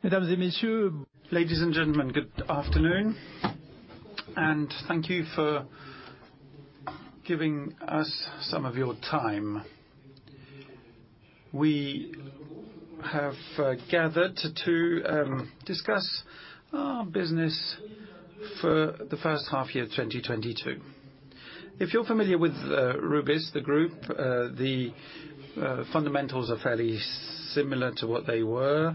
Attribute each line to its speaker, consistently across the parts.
Speaker 1: Ladies and gentlemen, good afternoon, and thank you for giving us some of your time. We have gathered to discuss our business for the first half year of 2022. If you're familiar with Rubis, the group, the fundamentals are fairly similar to what they were.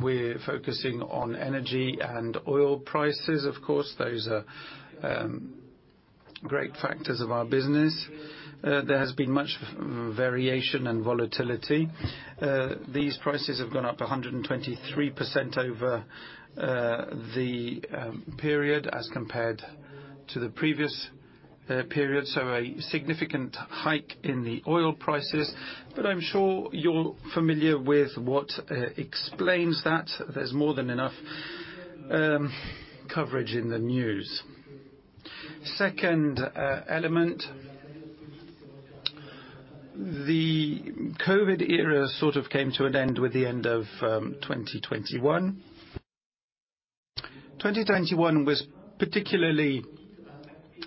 Speaker 1: We're focusing on energy and oil prices, of course. Those are great factors of our business. There has been much variation and volatility. These prices have gone up 123% over the period as compared to the previous period, so a significant hike in the oil prices. I'm sure you're familiar with what explains that. There's more than enough coverage in the news. Second element. The COVID era sort of came to an end with the end of 2021. 2021 was particularly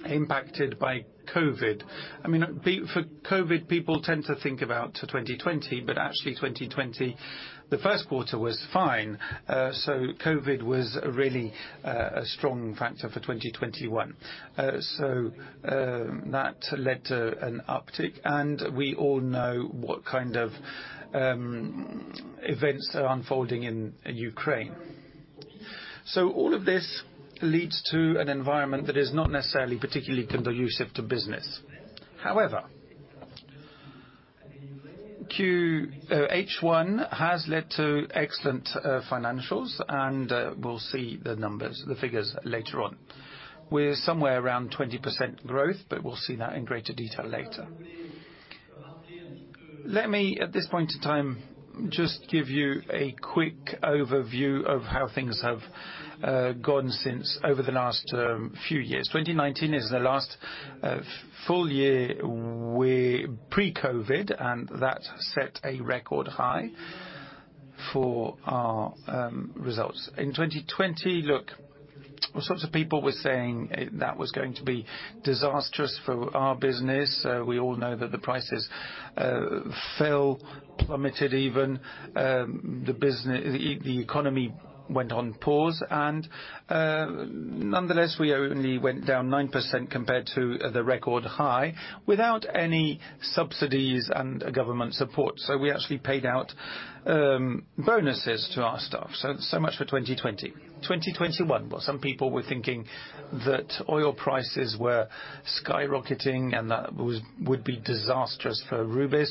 Speaker 1: impacted by COVID. I mean, before COVID, people tend to think about 2020, but actually, 2020, the first quarter was fine. COVID was really a strong factor for 2021. That led to an uptick, and we all know what kind of events are unfolding in Ukraine. All of this leads to an environment that is not necessarily particularly conducive to business. However, H1 has led to excellent financials, and we'll see the numbers, the figures later on. We're somewhere around 20% growth, but we'll see that in greater detail later. Let me, at this point in time, just give you a quick overview of how things have gone over the last few years. 2019 is the last full year we're pre-COVID, and that set a record high for our results. In 2020, look, all sorts of people were saying that was going to be disastrous for our business. We all know that the prices fell, plummeted even. The economy went on pause and, nonetheless, we only went down 9% compared to the record high without any subsidies and government support. We actually paid out bonuses to our staff. So much for 2020. 2021, well, some people were thinking that oil prices were skyrocketing, and that would be disastrous for Rubis.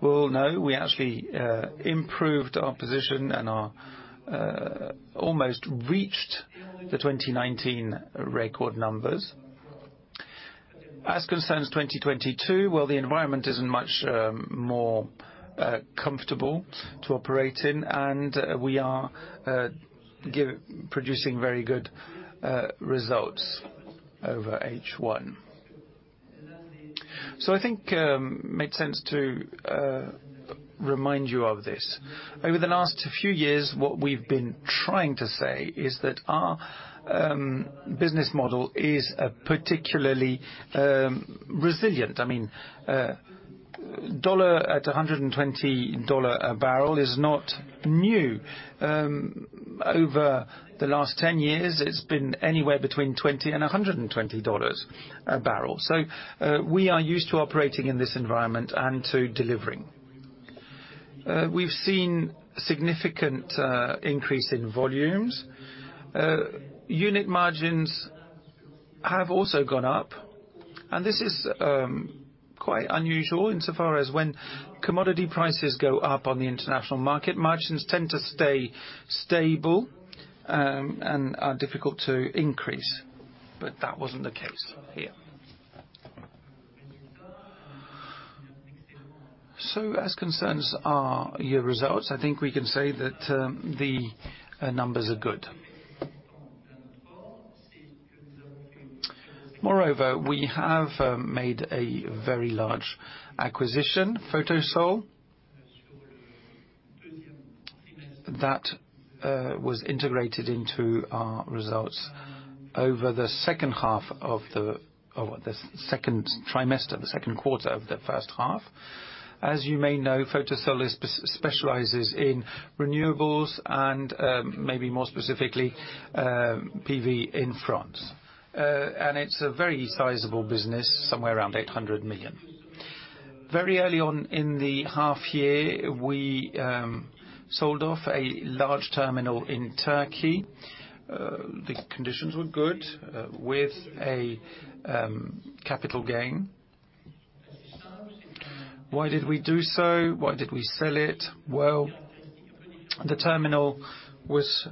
Speaker 1: Well, no, we actually improved our position and almost reached the 2019 record numbers. As concerns 2022, well, the environment isn't much more comfortable to operate in, and we are producing very good results over H1. I think makes sense to remind you of this. Over the last few years, what we've been trying to say is that our business model is particularly resilient. I mean, oil at $120 a barrel is not new. Over the last 10 years, it's been anywhere between $20 and $120 a barrel. We are used to operating in this environment and to delivering. We've seen significant increase in volumes. Unit margins have also gone up, and this is quite unusual insofar as when commodity prices go up on the international market, margins tend to stay stable, and are difficult to increase. That wasn't the case here. As concerns our half-year results, I think we can say that the numbers are good. Moreover, we have made a very large acquisition, Photosol, that was integrated into our results over the second quarter of the first half. As you may know, Photosol specializes in renewables and, maybe more specifically, PV in France. It's a very sizable business, somewhere around 800 million. Very early on in the half-year, we sold off a large terminal in Turkey. The conditions were good, with a capital gain. Why did we do so? Why did we sell it? Well, the terminal was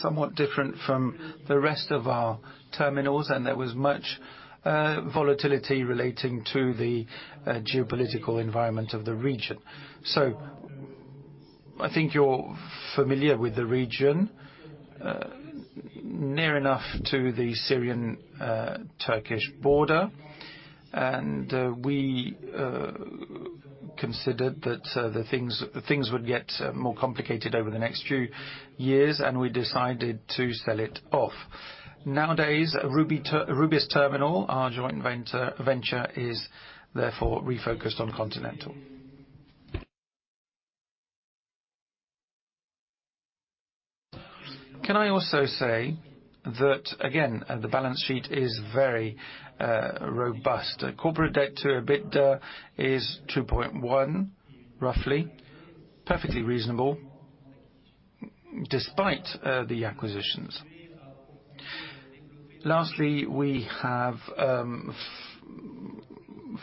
Speaker 1: somewhat different from the rest of our terminals, and there was much volatility relating to the geopolitical environment of the region. I think you're familiar with the region near enough to the Syrian Turkish border. We considered that the things would get more complicated over the next few years, and we decided to sell it off. Nowadays, Rubis Terminal, our joint venture is therefore refocused on continental. Can I also say that, again, the balance sheet is very robust. Corporate debt to EBITDA is 2.1, roughly. Perfectly reasonable despite the acquisitions. Lastly, we have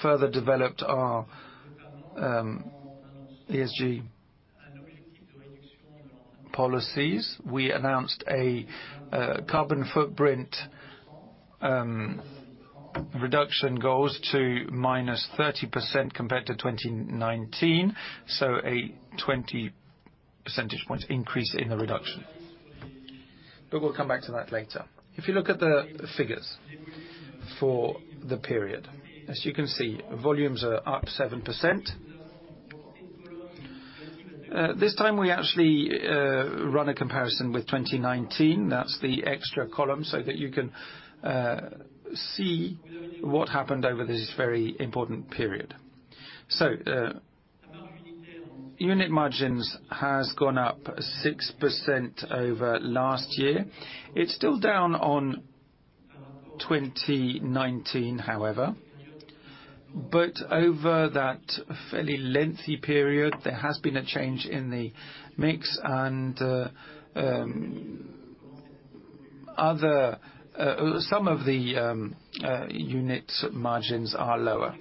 Speaker 1: further developed our ESG policies. We announced a carbon footprint reduction goals to -30% compared to 2019. A 20 percentage point increase in the reduction. We'll come back to that later. If you look at the figures for the period, as you can see, volumes are up 7%. This time we actually run a comparison with 2019. That's the extra column so that you can see what happened over this very important period. Unit margins has gone up 6% over last year. It's still down on 2019, however. Over that fairly lengthy period, there has been a change in the mix and some of the unit margins are lower.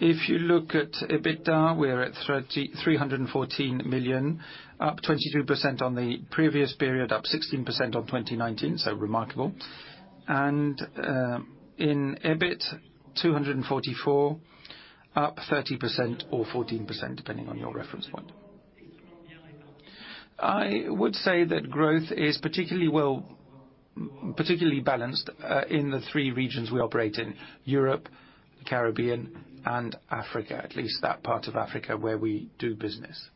Speaker 1: If you look at EBITDA, we're at 314 million, up 22% on the previous period, up 16% on 2019, so remarkable. In EBIT, 244 million, up 30% or 14%, depending on your reference point. I would say that growth is particularly balanced in the three regions we operate in, Europe, Caribbean, and Africa, at least that part of Africa where we do business.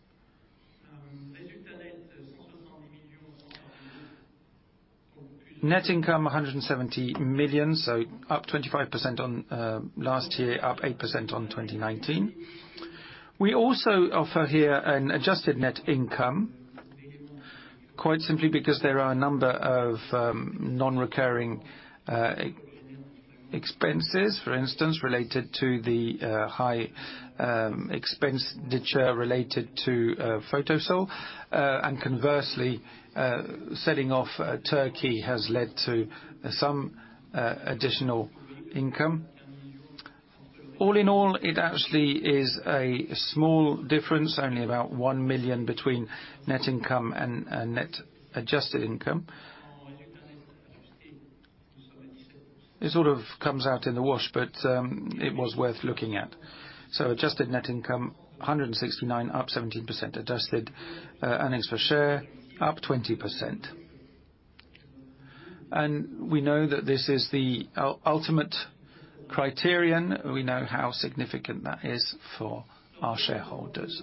Speaker 1: Net income, 170 million, so up 25% on last year, up 8% on 2019. We also offer here an adjusted net income, quite simply because there are a number of non-recurring expenses, for instance, related to the high expenditure related to Photosol. Conversely, selling off Turkey has led to some additional income. All in all, it actually is a small difference, only about 1 million between net income and net adjusted income. It sort of comes out in the wash, but it was worth looking at. Adjusted net income 169, up 17%. Adjusted earnings per share, up 20%. We know that this is the ultimate criterion. We know how significant that is for our shareholders.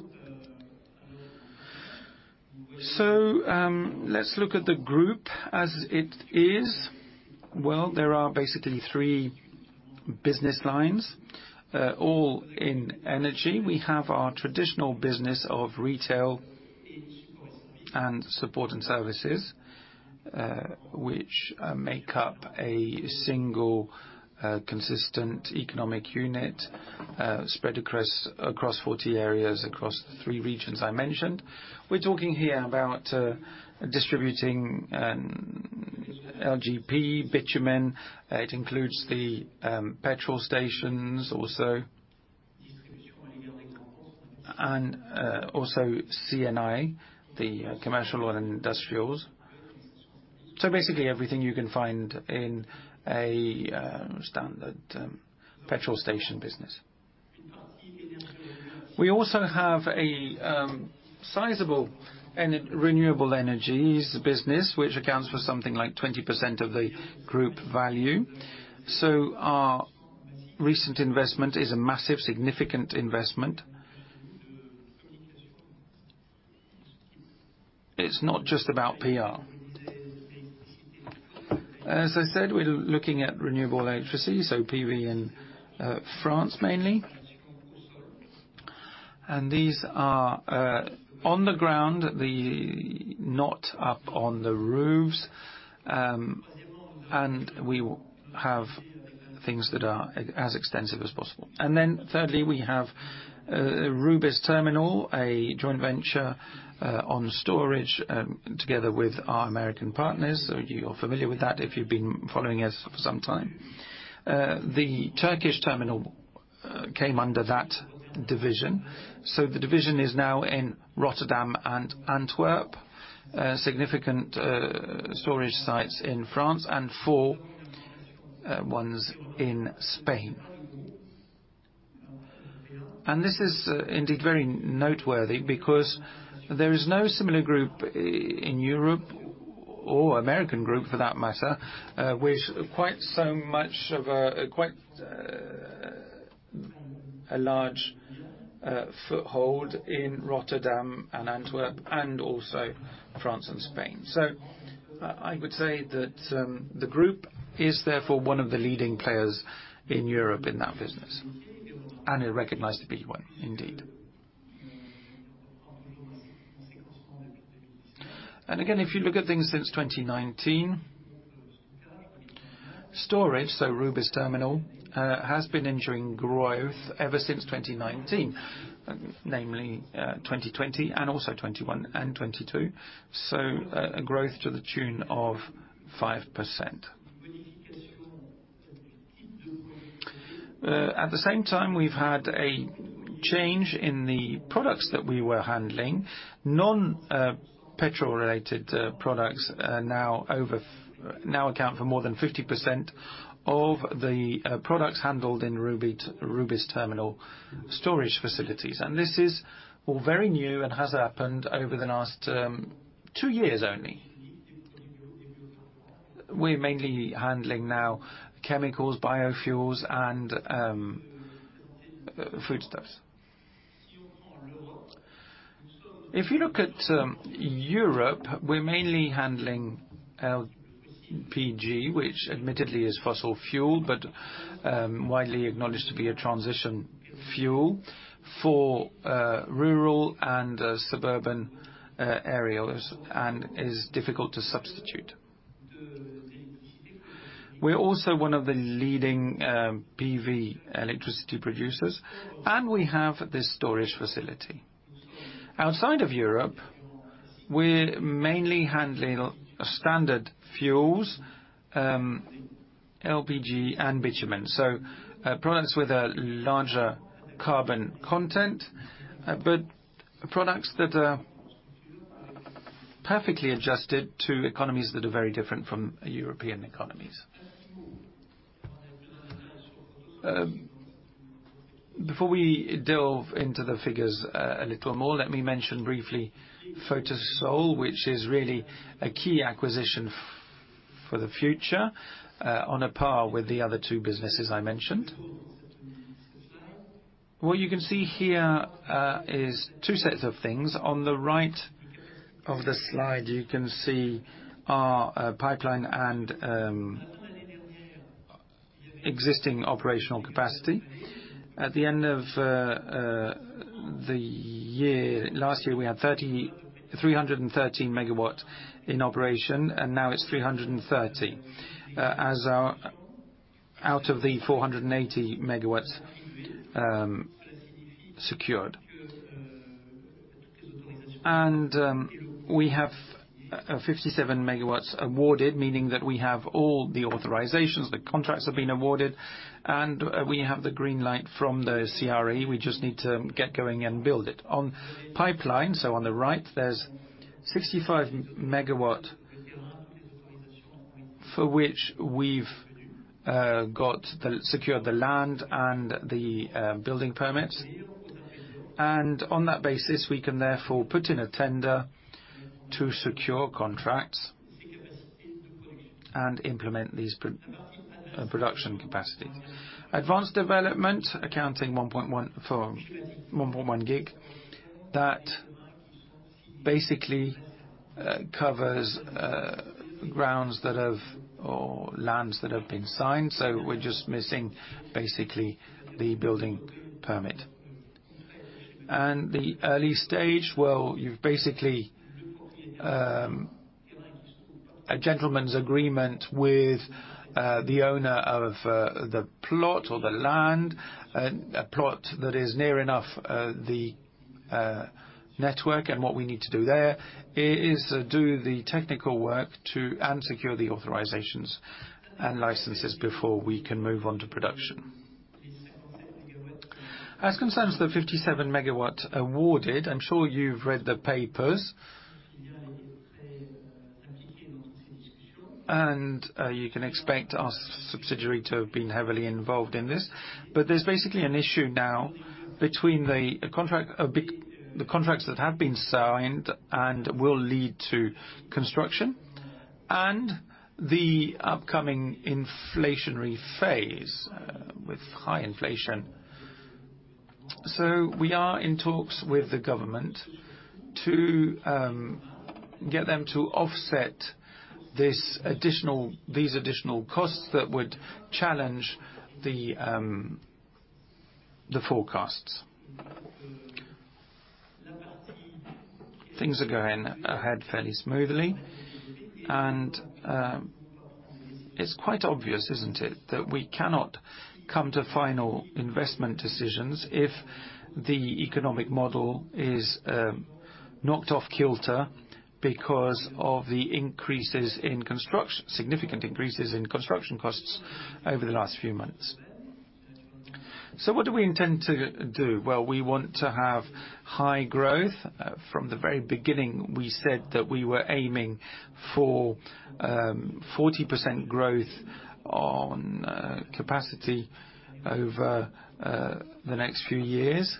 Speaker 1: Let's look at the group as it is. Well, there are basically three business lines, all in energy. We have our traditional business of retail and support and services, which make up a single consistent economic unit, spread across 40 areas, across the three regions I mentioned. We're talking here about distributing LPG, bitumen. It includes the petrol stations also. Also C&I, the commercial and industrials. Basically everything you can find in a standard petrol station business. We also have a sizable renewable energies business which accounts for something like 20% of the group value. Our recent investment is a massive, significant investment. It's not just about PR. As I said, we're looking at renewable energies, so PV in France mainly. These are on the ground, not up on the roofs. We will have things that are as extensive as possible. Thirdly, we have Rubis Terminal, a joint venture on storage together with our American partners. You're familiar with that if you've been following us for some time. The Turkish terminal came under that division. The division is now in Rotterdam and Antwerp, significant storage sites in France and four ones in Spain. This is indeed very noteworthy because there is no similar group in Europe or American group for that matter, with quite a large foothold in Rotterdam and Antwerp, and also France and Spain. I would say that the group is therefore one of the leading players in Europe in that business, and is recognized to be one indeed. If you look at things since 2019, storage, so Rubis Terminal, has been ensuring growth ever since 2019. Namely, 2020 and also 2021 and 2022. A growth to the tune of 5%. At the same time, we've had a change in the products that we were handling. Petrol related products now account for more than 50% of the products handled in Rubis Terminal storage facilities. This is all very new and has happened over the last two years only. We're mainly handling now chemicals, biofuels, and foodstuffs. If you look at Europe, we're mainly handling LPG, which admittedly is fossil fuel, but widely acknowledged to be a transition fuel for rural and suburban areas, and is difficult to substitute. We're also one of the leading PV electricity producers, and we have this storage facility. Outside of Europe, we're mainly handling standard fuels, LPG and bitumen. Products with a larger carbon content, but products that are perfectly adjusted to economies that are very different from European economies. Before we delve into the figures a little more, let me mention briefly Photosol, which is really a key acquisition for the future, on a par with the other two businesses I mentioned. What you can see here is two sets of things. On the right of the slide, you can see our pipeline and existing operational capacity. At the end of last year, we had 313 MW in operation, and now it's 330 MW out of the 480 MW secured. We have 57 MW awarded, meaning that we have all the authorizations, the contracts have been awarded, and we have the green light from the CRE. We just need to get going and build it. In pipeline, so on the right, there's 65 MW for which we've secured the land and the building permits. On that basis, we can therefore put in a tender to secure contracts and implement these production capacities. Advanced development accounting for 1.1 GW, that basically covers grounds that have or lands that have been signed. We're just missing basically the building permit. The early stage, well, you've basically a gentleman's agreement with the owner of the plot or the land, a plot that is near enough the network. What we need to do there is do the technical work and secure the authorizations and licenses before we can move on to production. As concerns the 57 MW awarded, I'm sure you've read the papers. You can expect our subsidiary to have been heavily involved in this. There's basically an issue now between the contracts that have been signed and will lead to construction, and the upcoming inflationary phase with high inflation. We are in talks with the government to get them to offset these additional costs that would challenge the forecasts. Things are going ahead fairly smoothly. It's quite obvious, isn't it, that we cannot come to final investment decisions if the economic model is knocked off kilter because of the significant increases in construction costs over the last few months. What do we intend to do? Well, we want to have high growth. From the very beginning, we said that we were aiming for 40% growth on capacity over the next few years.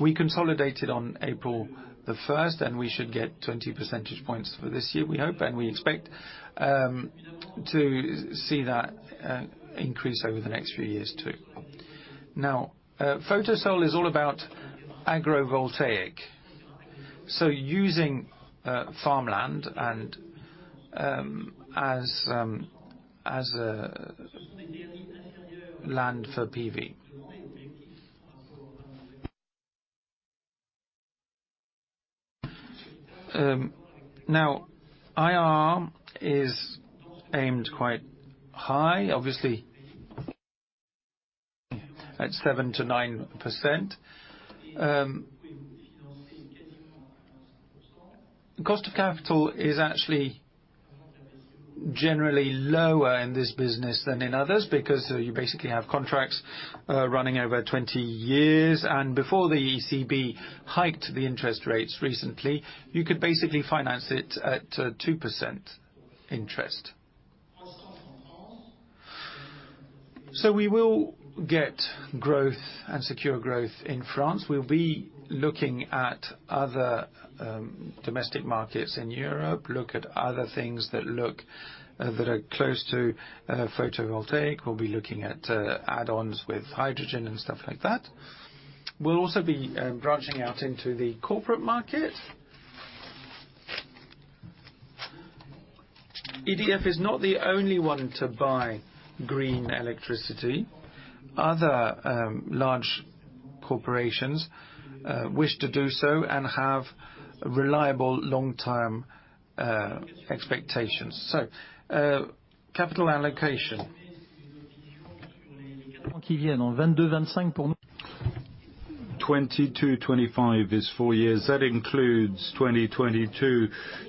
Speaker 1: We consolidated on April 1, and we should get 20 percentage points for this year, we hope, and we expect to see that increase over the next few years too. Now, Photosol is all about agrivoltaic, so using farmland and as a land for PV. Now IRR is aimed quite high, obviously at 7%-9%. Cost of capital is actually generally lower in this business than in others because you basically have contracts running over 20 years. Before the ECB hiked the interest rates recently, you could basically finance it at 2% interest. We will get growth and secure growth in France. We'll be looking at other domestic markets in Europe that are close to photovoltaic. We'll be looking at add-ons with hydrogen and stuff like that. We'll also be branching out into the corporate market. EDF is not the only one to buy green electricity. Other large corporations wish to do so and have reliable long-term expectations. Capital allocation. 22, 25 is four years. That includes 2022.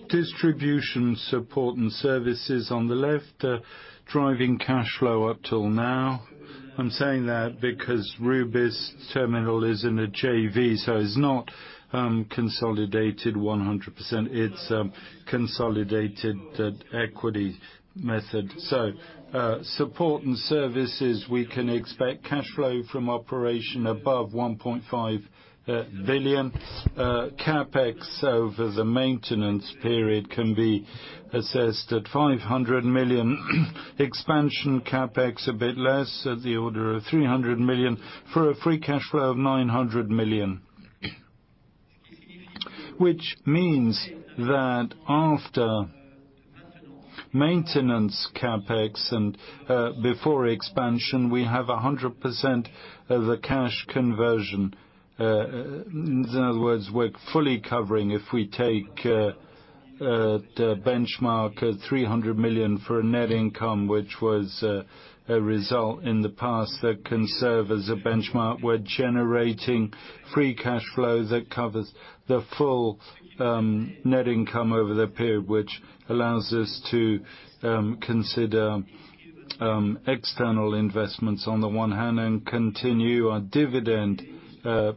Speaker 1: Distribution support and services on the left, driving cash flow up till now. I'm saying that because Rubis Terminal is in a JV, so it's not consolidated 100%, it's consolidated at equity method. Support and services, we can expect cash flow from operation above 1.5 billion. CapEx over the maintenance period can be assessed at 500 million. Expansion CapEx a bit less at the order of 300 million for a free cash flow of 900 million. Which means that after maintenance CapEx and before expansion, we have 100% of the cash conversion. In other words, we're fully covering, if we take the benchmark at 300 million for a net income, which was a result in the past that can serve as a benchmark. We're generating free cash flow that covers the full net income over the period, which allows us to consider external investments on the one hand, and continue our dividend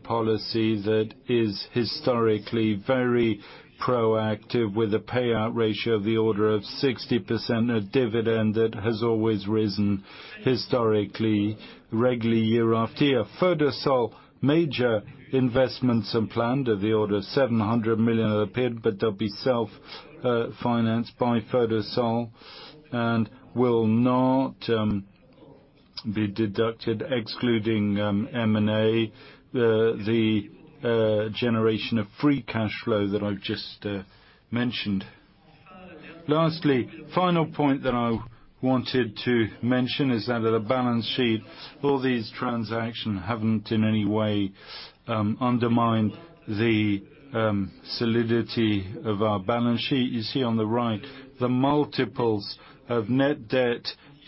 Speaker 1: policy that is historically very proactive with a payout ratio of the order of 60%, a dividend that has always risen historically, regularly year after year. Photosol, major investments are planned at the order of 700 million a period, but they'll be self-financed by Photosol and will not be deducted, excluding M&A, the generation of free cash flow that I've just mentioned. Lastly, final point that I wanted to mention is that at the balance sheet, all these transactions haven't in any way undermined the solidity of our balance sheet. You see on the right the multiples of net debt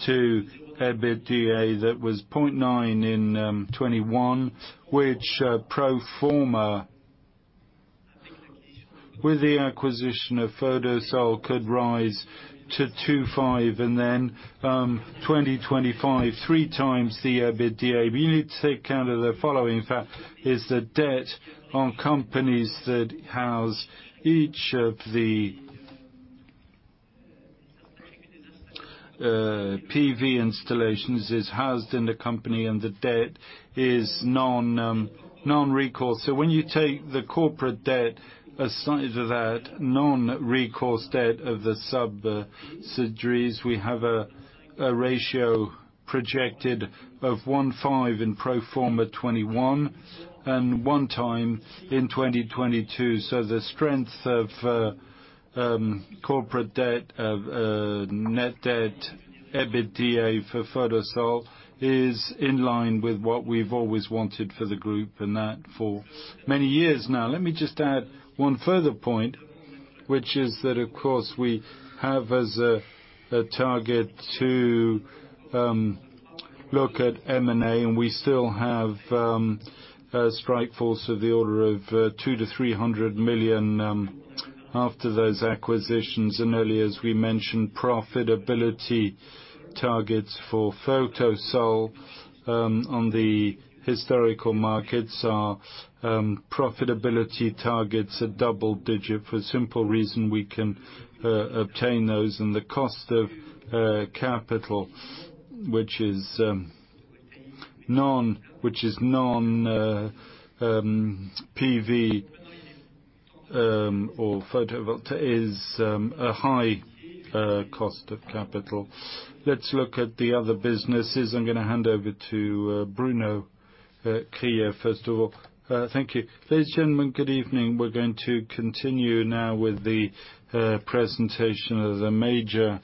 Speaker 1: to EBITDA. That was 0.9 in 2021, which pro forma with the acquisition of Photosol could rise to 2.5 and then 2025, 3x the EBITDA. You need to take account of the following fact is the debt on companies that house each of the PV installations is housed in the company, and the debt is non-recourse. When you take the corporate debt aside of that non-recourse debt of the subsidiaries, we have a ratio projected of 1.5 in pro forma 2021 and 1x in 2022. The strength of net debt to EBITDA for Photosol is in line with what we've always wanted for the group, and that for many years now. Let me just add one further point, which is that, of course, we have as a target to look at M&A, and we still have a strike force of the order of 200-300 million after those acquisitions. Earlier, as we mentioned, profitability targets for Photosol on the historical markets are double digit for the simple reason we can obtain those and the cost of capital for PV or photovoltaic is a high cost of capital. Let's look at the other businesses. I'm gonna hand over to Bruno Krief first of all. Thank you.
Speaker 2: Ladies, gentlemen, good evening. We're going to continue now with the presentation of the major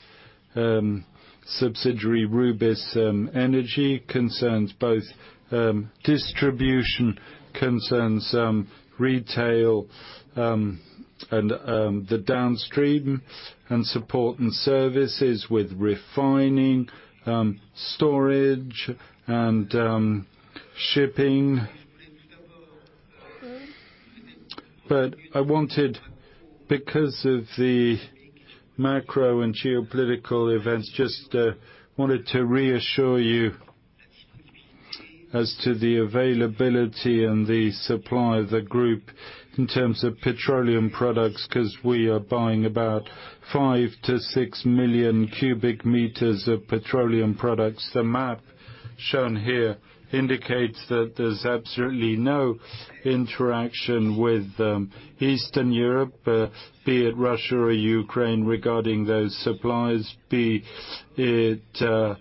Speaker 2: subsidiary, Rubis Énergie. Concerns both distribution, retail, and the downstream, and support and services with refining, storage, and shipping. I wanted. because of the macro and geopolitical events, just wanted to reassure you as to the availability and the supply of the group in terms of petroleum products, 'cause we are buying about 5-6 million cubic meters of petroleum products. The map shown here indicates that there's absolutely no interaction with Eastern Europe, be it Russia or Ukraine regarding those supplies, be it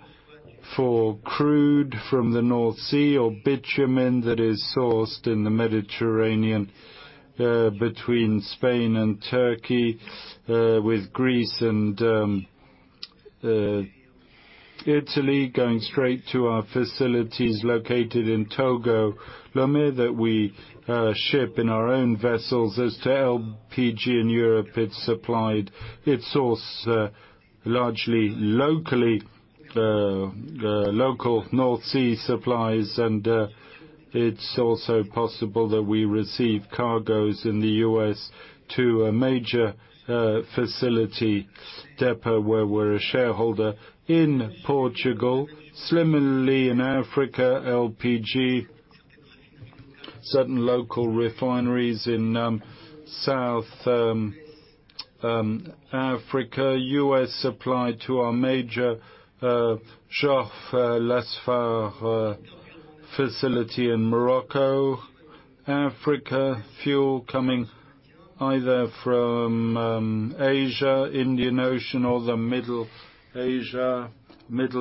Speaker 2: for crude from the North Sea or bitumen that is sourced in the Mediterranean, between Spain and Turkey, with Greece and Italy going straight to our facilities located in Togo, Lomé, that we ship in our own vessels. As to LPG in Europe, it's sourced largely locally, local North Sea supplies, and it's also possible that we receive cargos from the U.S. to a major facility, CLC, where we're a shareholder in Portugal. Similarly, in Africa, LPG, certain local refineries in South Africa. U.S. supply to our major Jorf Lasfar facility in Morocco. Africa, fuel coming either from Asia, Indian Ocean, or the Middle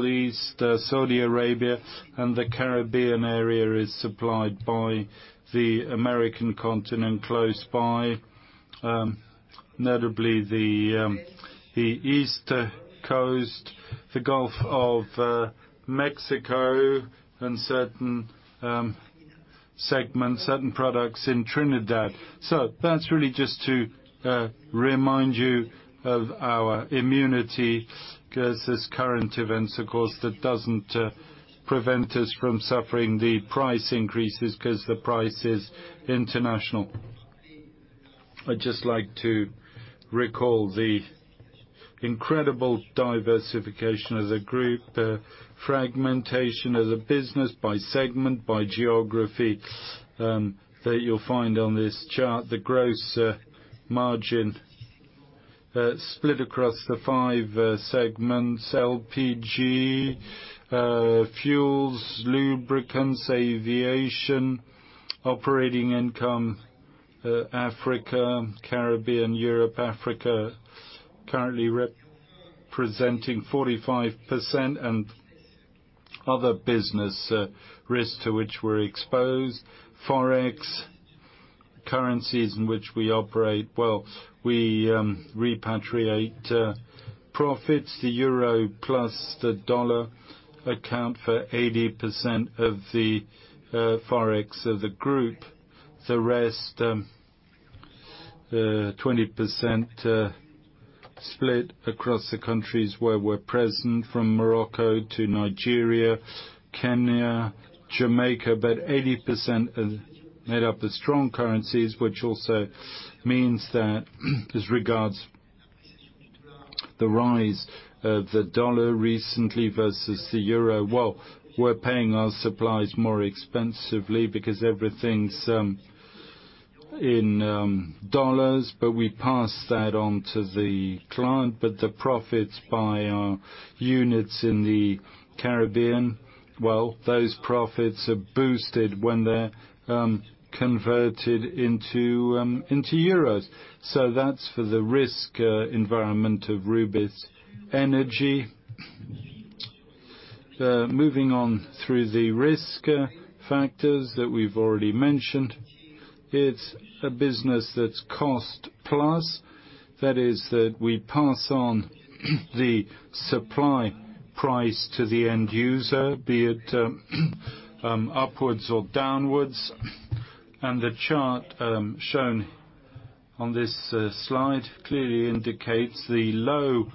Speaker 2: East, Saudi Arabia, and the Caribbean area is supplied by the American continent close by, notably the East Coast, the Gulf of Mexico, and certain segments, certain products in Trinidad. That's really just to remind you of our immunity 'cause these current events, of course, that doesn't prevent us from suffering the price increases 'cause the price is international. I'd just like to recall the incredible diversification as a group, the fragmentation as a business by segment, by geography, that you'll find on this chart. The gross margin split across the five segments, LPG, fuels, lubricants, aviation, operating income, Africa, Caribbean, Europe. Africa currently representing 45% and other business risks to which we're exposed. Forex, currencies in which we operate. Well, we repatriate profits. The euro plus the dollar account for 80% of the Forex of the group. The rest, 20%, split across the countries where we're present, from Morocco to Nigeria, Kenya, Jamaica, but 80% is made up of strong currencies, which also means that as regards the rise of the dollar recently versus the euro, well, we're paying our suppliers more expensively because everything's in dollars, but we pass that on to the client. The profits by our units in the Caribbean, well, those profits are boosted when they're converted into euros. That's for the risk environment of Rubis Énergie. Moving on through the risk factors that we've already mentioned, it's a business that's cost-plus. That is that we pass on the supply price to the end user, be it upwards or downwards. The chart shown on this slide clearly indicates the low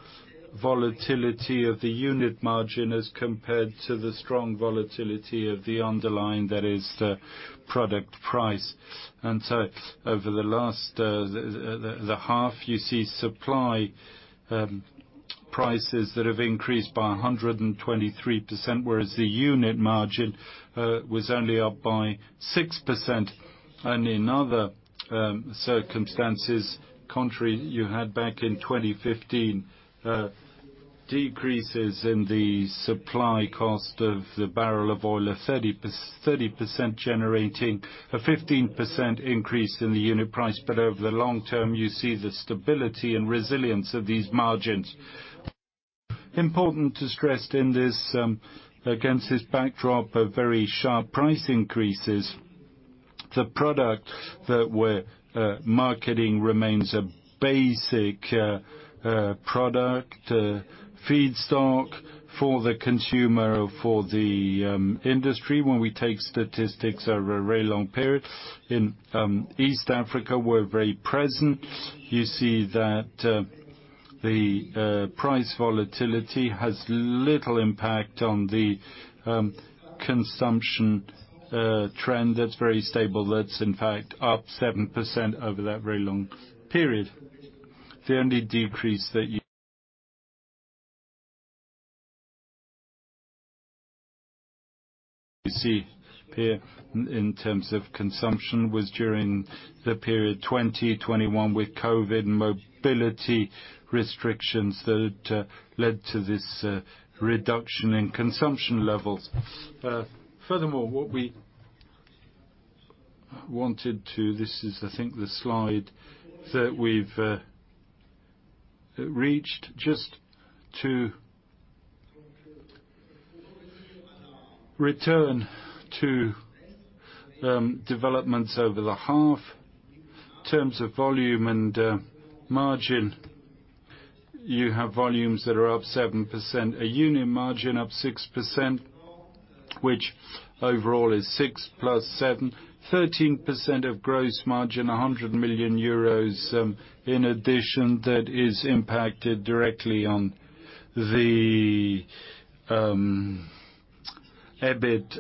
Speaker 2: volatility of the unit margin as compared to the strong volatility of the underlying, that is the product price. Over the last the half, you see supply prices that have increased by 123%, whereas the unit margin was only up by 6%. In other circumstances, contrary, you had back in 2015 decreases in the supply cost of the barrel of oil of 30% generating a 15% increase in the unit price. Over the long term, you see the stability and resilience of these margins. Important to stress in this against this backdrop of very sharp price increases, the product that we're marketing remains a basic product feedstock for the consumer or for the industry. When we take statistics over a very long period in East Africa, we're very present. You see that the price volatility has little impact on the consumption trend. That's very stable. That's in fact up 7% over that very long period. The only decrease that you see here in terms of consumption was during the period 2021 with COVID mobility restrictions that led to this reduction in consumption levels. Furthermore, this is, I think, the slide that we've reached just to return to developments over the half. In terms of volume and margin, you have volumes that are up 7%, a unit margin up 6%, which overall is 6 + 7, 13% of gross margin, 100 million euros, in addition that is impacted directly on the EBIT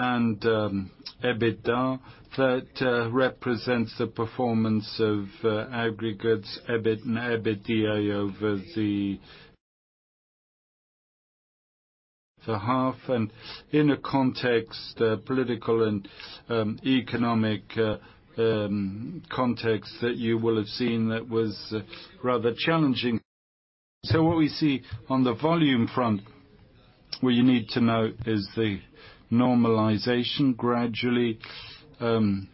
Speaker 2: and EBITDA. That represents the performance of aggregates, EBIT and EBITDA over the half and in a political and economic context that you will have seen that was rather challenging. What we see on the volume front, what you need to note is the normalization gradually in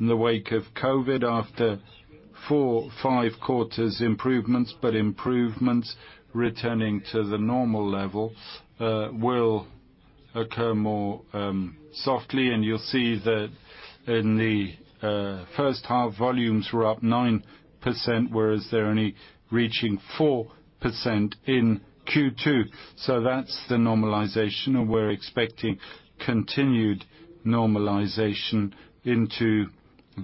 Speaker 2: the wake of COVID after four-five quarters improvements, but improvements returning to the normal level will occur more softly. You'll see that in the first half, volumes were up 9%, whereas they're only reaching 4% in Q2. That's the normalization, and we're expecting continued normalization into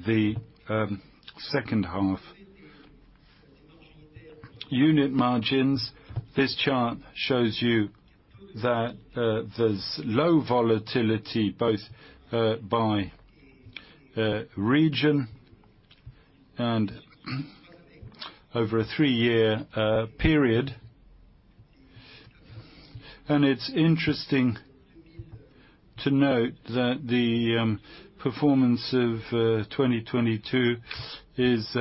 Speaker 2: the second half. Unit margins. This chart shows you that there's low volatility both by region and over a three-year period. It's interesting to note that the performance of 2022 is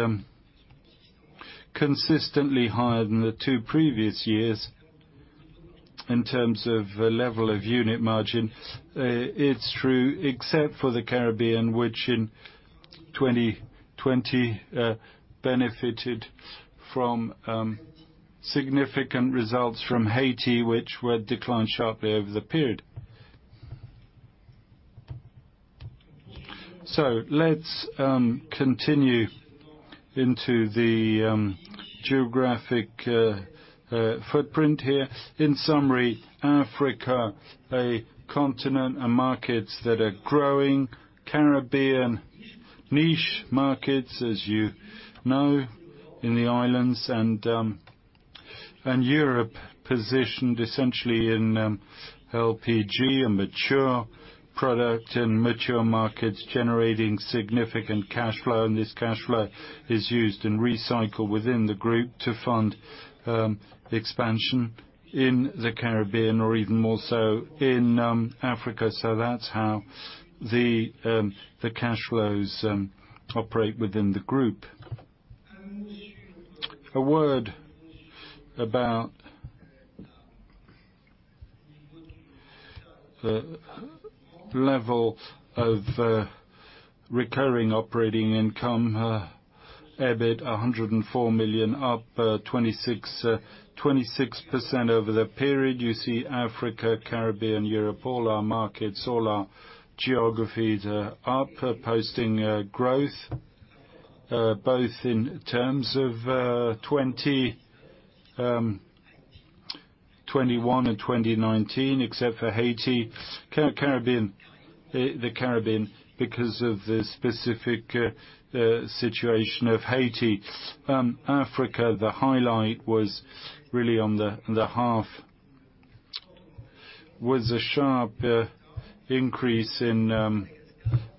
Speaker 2: consistently higher than the two previous years in terms of the level of unit margin. It's true, except for the Caribbean, which in 2020 benefited from significant results from Haiti, which were declined sharply over the period. Let's continue into the geographic footprint here. In summary, Africa, a continent and markets that are growing, Caribbean niche markets, as you know, in the islands, and Europe positioned essentially in LPG, a mature product in mature markets generating significant cash flow. This cash flow is used and recycled within the group to fund expansion in the Caribbean or even more so in Africa. That's how the cash flows operate within the group. A word about the level of recurring operating income EBIT, 104 million, up 26% over the period. You see Africa, Caribbean, Europe, all our markets, all our geographies are up, posting growth both in terms of 20. 2021 and 2019 except for Haiti. Caribbean, the Caribbean because of the specific situation of Haiti. Africa, the highlight was really on the half was a sharp increase in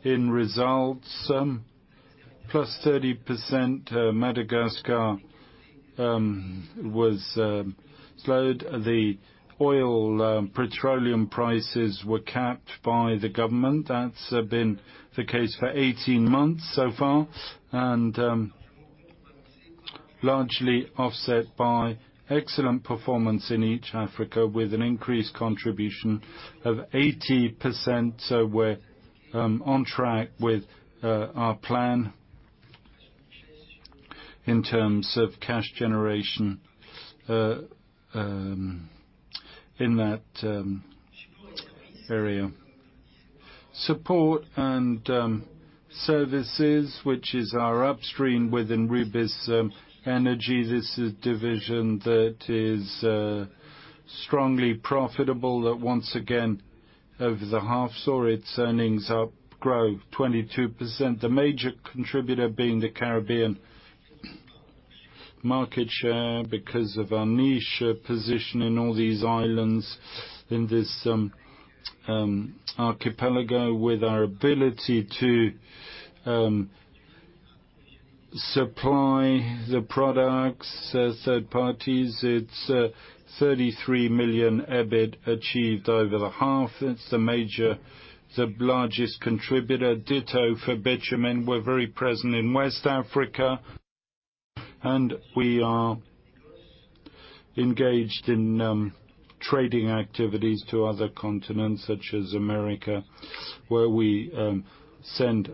Speaker 2: results, +30%. Madagascar was slowed. The oil and petroleum prices were capped by the government. That's been the case for 18 months so far, and largely offset by excellent performance in East Africa with an increased contribution of 80%. We're on track with our plan in terms of cash generation in that area. Support & services, which is our upstream within Rubis Énergie. This is a division that is strongly profitable that once again, over the half saw its earnings grow 22%, the major contributor being the Caribbean market share because of our niche position in all these islands, in this archipelago with our ability to supply the products as third parties. It's 33 million EBIT achieved over the half. It's the major. The largest contributor. Ditto for bitumen. We're very present in West Africa, and we are engaged in trading activities to other continents such as America, where we send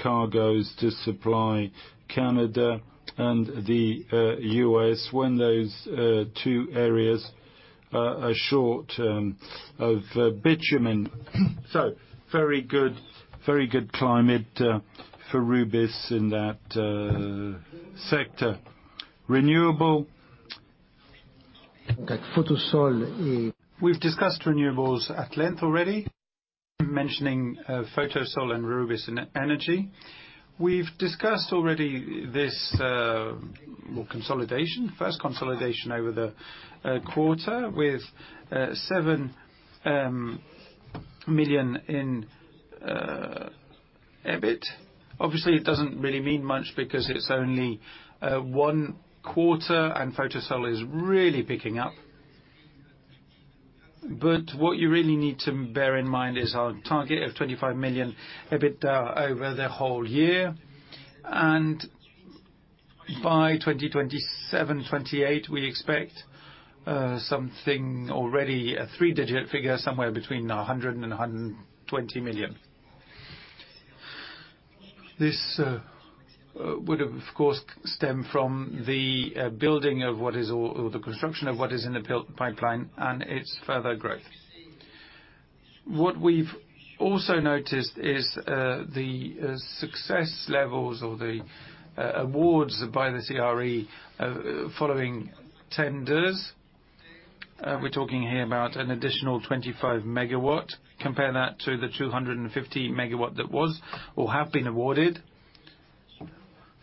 Speaker 2: cargoes to supply Canada and the U.S. when those two areas are short of bitumen. So very good climate for Rubis in that sector. Renewables. We've discussed renewables at length already, mentioning Photosol and Rubis Énergie. We've discussed already this, well, consolidation. First consolidation over the quarter with EUR 7 million in EBIT. Obviously, it doesn't really mean much because it's only one quarter, and Photosol is really picking up. What you really need to bear in mind is our target of 25 million EBIT over the whole year. By 2027, 2028, we expect something already a three-digit figure, somewhere between 100 million-120 million. This would, of course, stem from the building of what is or the construction of what is in the built pipeline and its further growth. What we've also noticed is the success levels or the awards by the CRE following tenders. We're talking here about an additional 25 MW. Compare that to the 250 MW that have been awarded.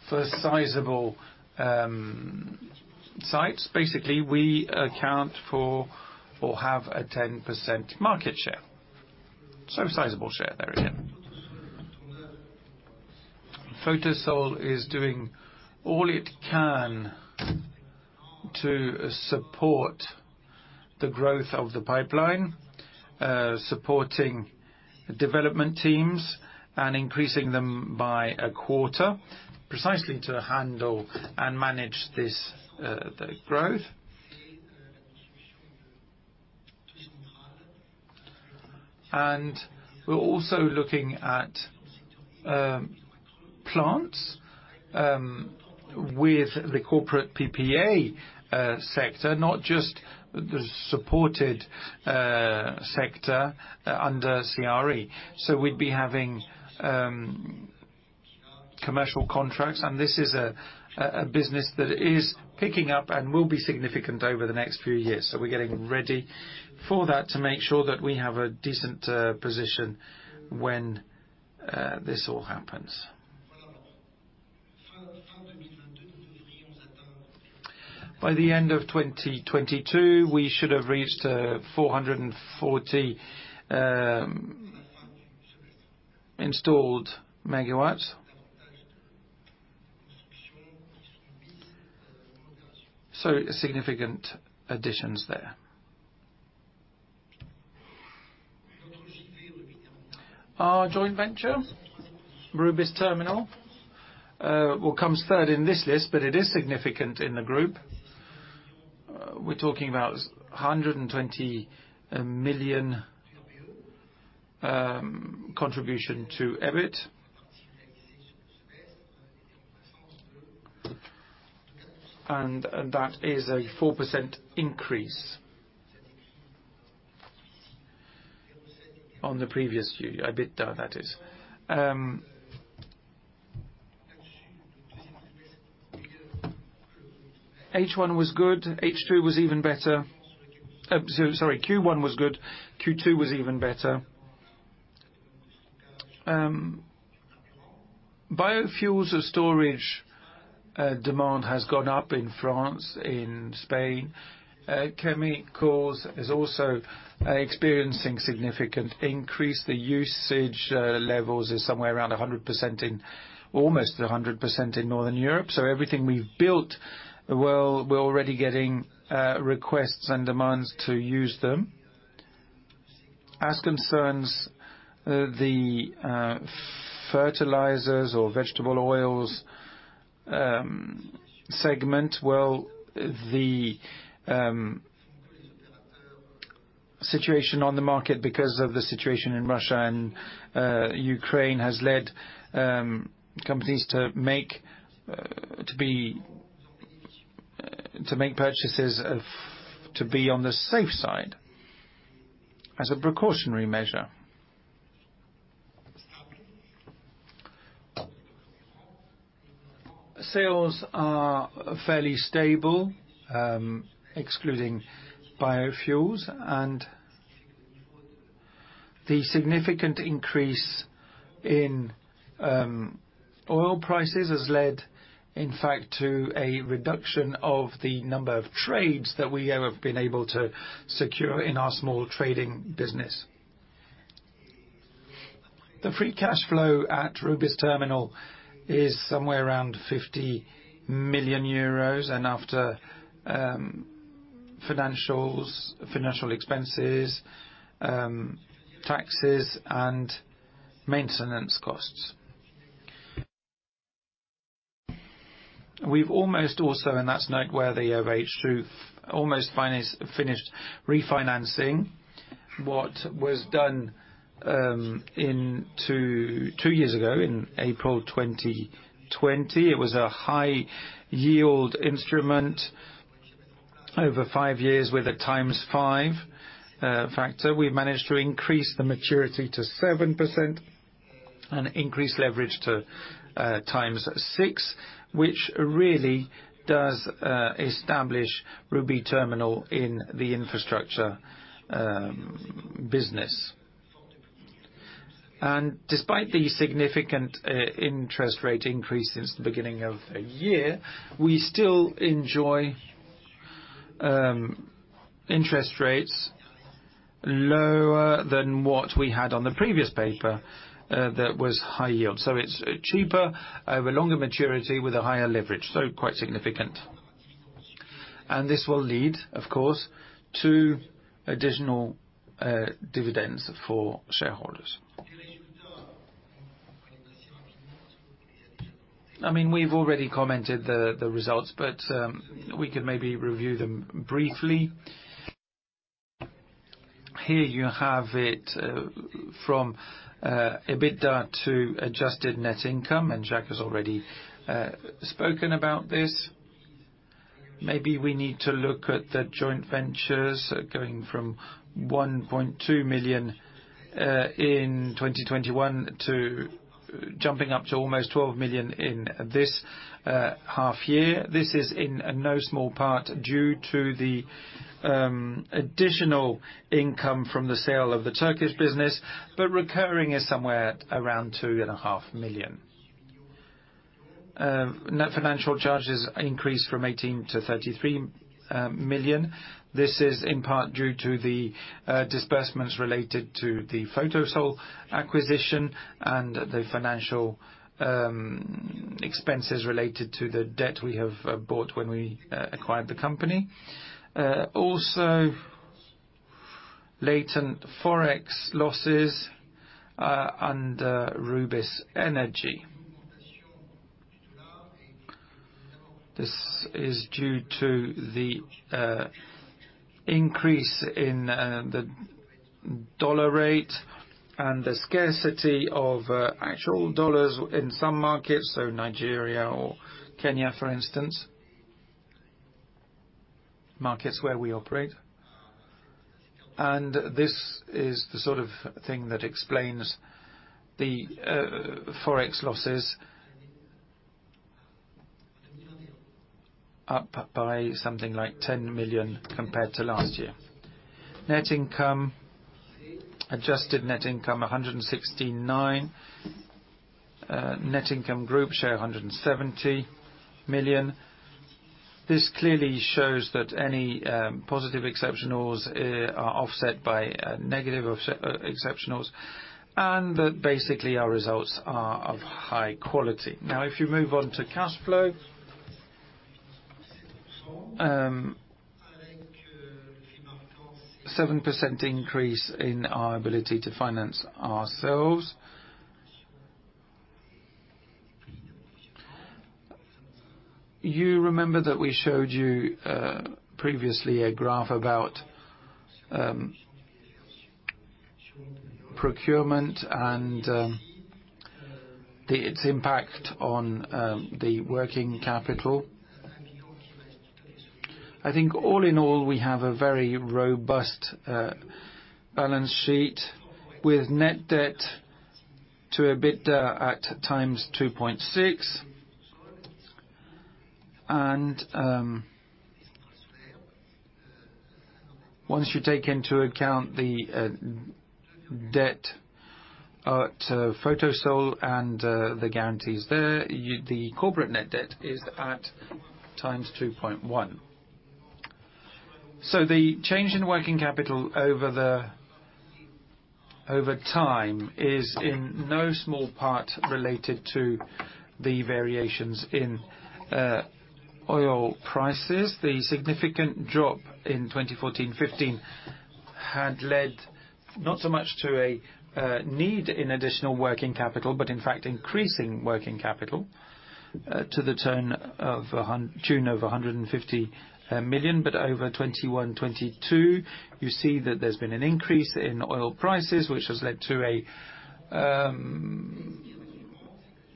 Speaker 2: For sizable sites, basically, we account for or have a 10% market share, so sizable share there, yeah. Photosol is doing all it can to support the growth of the pipeline, supporting development teams and increasing them by a quarter, precisely to handle and manage this, the growth. We're also looking at plants with the corporate PPA sector, not just the supported sector under CRE. We'd be having commercial contracts, and this is a business that is picking up and will be significant over the next few years. We're getting ready for that to make sure that we have a decent position when this all happens. By the end of 2022, we should have reached 440 installed megawatts. Significant additions there. Our joint venture, Rubis Terminal, it comes third in this list, but it is significant in the group. We're talking about EUR 120 million contribution to EBIT. That is a 4% increase on the previous year, EBITDA that is. Q1 was good, Q2 was even better. Biofuels storage demand has gone up in France, in Spain. Chemicals is also experiencing significant increase. The usage levels is somewhere around 100%. Almost 100% in Northern Europe. Everything we've built, we're already getting requests and demands to use them. As concerns the fertilizers or vegetable oils segment, well, the situation on the market because of the situation in Russia and Ukraine has led companies to make purchases. To be on the safe side as a precautionary measure. Sales are fairly stable, excluding biofuels. The significant increase in oil prices has led, in fact, to a reduction of the number of trades that we have been able to secure in our small trading business. The free cash flow at Rubis Terminal is somewhere around 50 million euros, and after financial expenses, taxes, and maintenance costs. We've almost also, on that note, where they have H2, almost finished refinancing what was done two years ago in April 2020. It was a high yield instrument over five years with a 5x factor. We managed to increase the maturity to 7% and increase leverage to 6x, which really does establish Rubis Terminal in the infrastructure business. Despite the significant interest rate increase since the beginning of the year, we still enjoy interest rates lower than what we had on the previous paper that was high yield. It's cheaper over longer maturity with a higher leverage, so quite significant. This will lead, of course, to additional dividends for shareholders. I mean, we've already commented the results, but we could maybe review them briefly. Here you have it from EBITDA to adjusted net income, and Jack has already spoken about this. Maybe we need to look at the joint ventures, going from 1.2 million in 2021 to jumping up to almost 12 million in this half year. This is in no small part due to the additional income from the sale of the Turkish business, but recurring is somewhere around 2.5 million. Net financial charges increased from 18 million to 33 million. This is in part due to the disbursements related to the Photosol acquisition and the financial expenses related to the debt we have bought when we acquired the company. Also latent Forex losses under Rubis Énergie. This is due to the increase in the dollar rate and the scarcity of actual dollars in some markets, so Nigeria or Kenya, for instance. Markets where we operate. This is the sort of thing that explains the Forex losses up by something like 10 million compared to last year. Net income, adjusted net income, 169. Net income group share 170 million. This clearly shows that any positive exceptionals are offset by negative exceptionals, and that basically our results are of high quality. Now, if you move on to cash flow. 7% increase in our ability to finance ourselves. You remember that we showed you previously a graph about procurement and its impact on the working capital. I think all in all, we have a very robust balance sheet with net debt to EBITDA at 2.6x. Once you take into account the debt at Photosol and the guarantees there, the corporate net debt is at 2.1x. The change in working capital over time is in no small part related to the variations in oil prices. The significant drop in 2014, 2015 had led not so much to a need in additional working capital, but in fact increasing working capital to the tune of 150 million. Over 2021, 2022, you see that there's been an increase in oil prices, which has led to a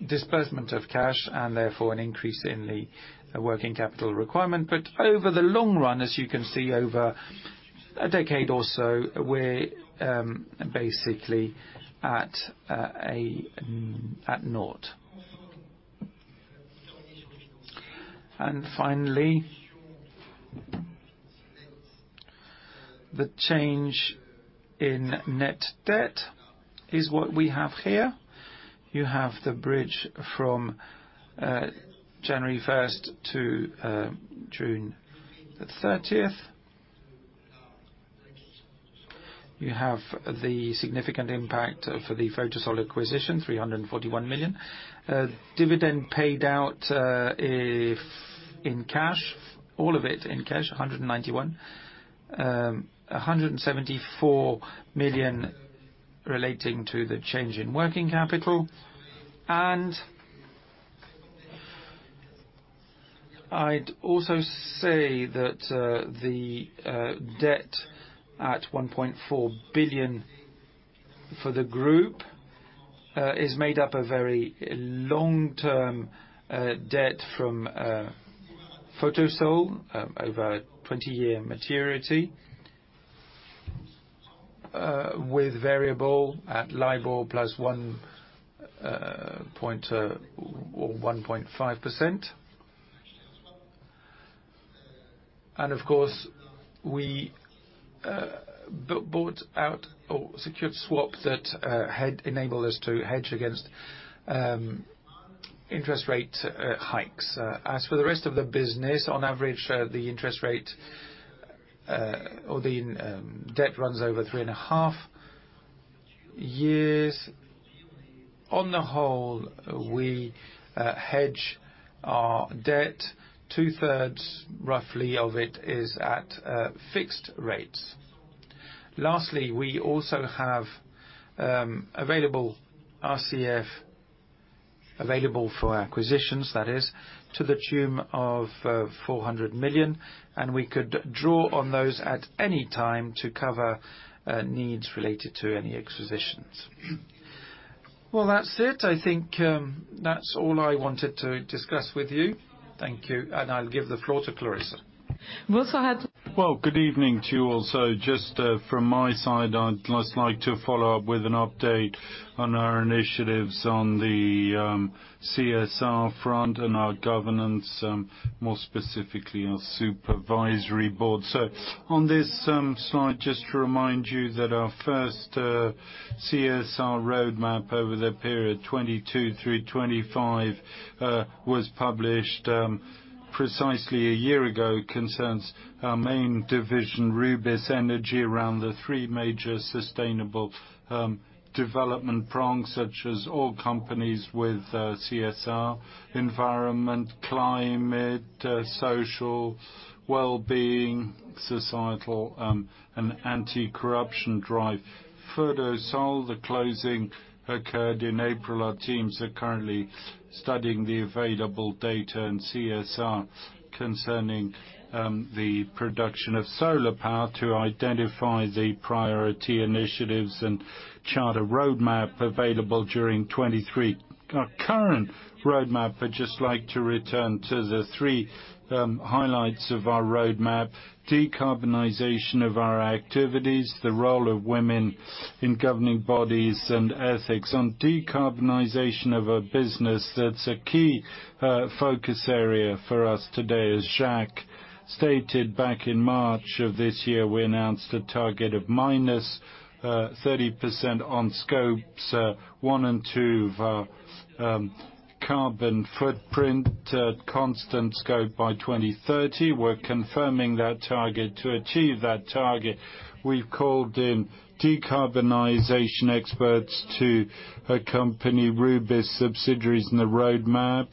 Speaker 2: disbursement of cash and therefore an increase in the working capital requirement. Over the long run, as you can see over a decade or so, we're basically at naught. Finally, the change in net debt is what we have here. You have the bridge from January first to June the thirtieth. You have the significant impact of the Photosol acquisition, EUR 341 million. Dividend paid out in cash, all of it in cash, 191 million. 174 million relating to the change in working capital. I'd also say that the debt at 1.4 billion for the group is made up of very long-term debt from Photosol over a 20-year maturity with variable at LIBOR plus one point or 1.5%. Of course, we bought out or secured swap that had enabled us to hedge against interest rate hikes. As for the rest of the business, on average, the interest rate or the debt runs over 3.5 years. On the whole, we hedge our debt. Two-thirds, roughly, of it is at fixed rates. Lastly, we also have available RCF, available for acquisitions that is, to the tune of 400 million, and we could draw on those at any time to cover needs related to any acquisitions. Well, that's it. I think that's all I wanted to discuss with you. Thank you. I'll give the floor to Clarisse.
Speaker 3: Well, good evening to you all. Just from my side, I'd just like to follow up with an update on our initiatives on the CSR front and our governance, more specifically our supervisory board. On this slide, just to remind you that our first CSR roadmap over the period 2022 through 2025 was published precisely a year ago. It concerns our main division, Rubis Énergie, around the three major sustainable development prongs, such as all companies with CSR, environment, climate, social well-being, societal, and anti-corruption drive. Photosol, the closing occurred in April. Our teams are currently studying the available data and CSR concerning the production of solar power to identify the priority initiatives and chart a roadmap available during 2023. Our current roadmap, I'd just like to return to the three highlights of our roadmap. Decarbonization of our activities, the role of women in governing bodies and ethics. On decarbonization of our business, that's a key focus area for us today. As Jacques stated, back in March of this year, we announced a target of -30% on scopes 1 and 2 of our carbon footprint at constant scope by 2030. We're confirming that target. To achieve that target, we've called in decarbonization experts to accompany Rubis subsidiaries in the roadmap,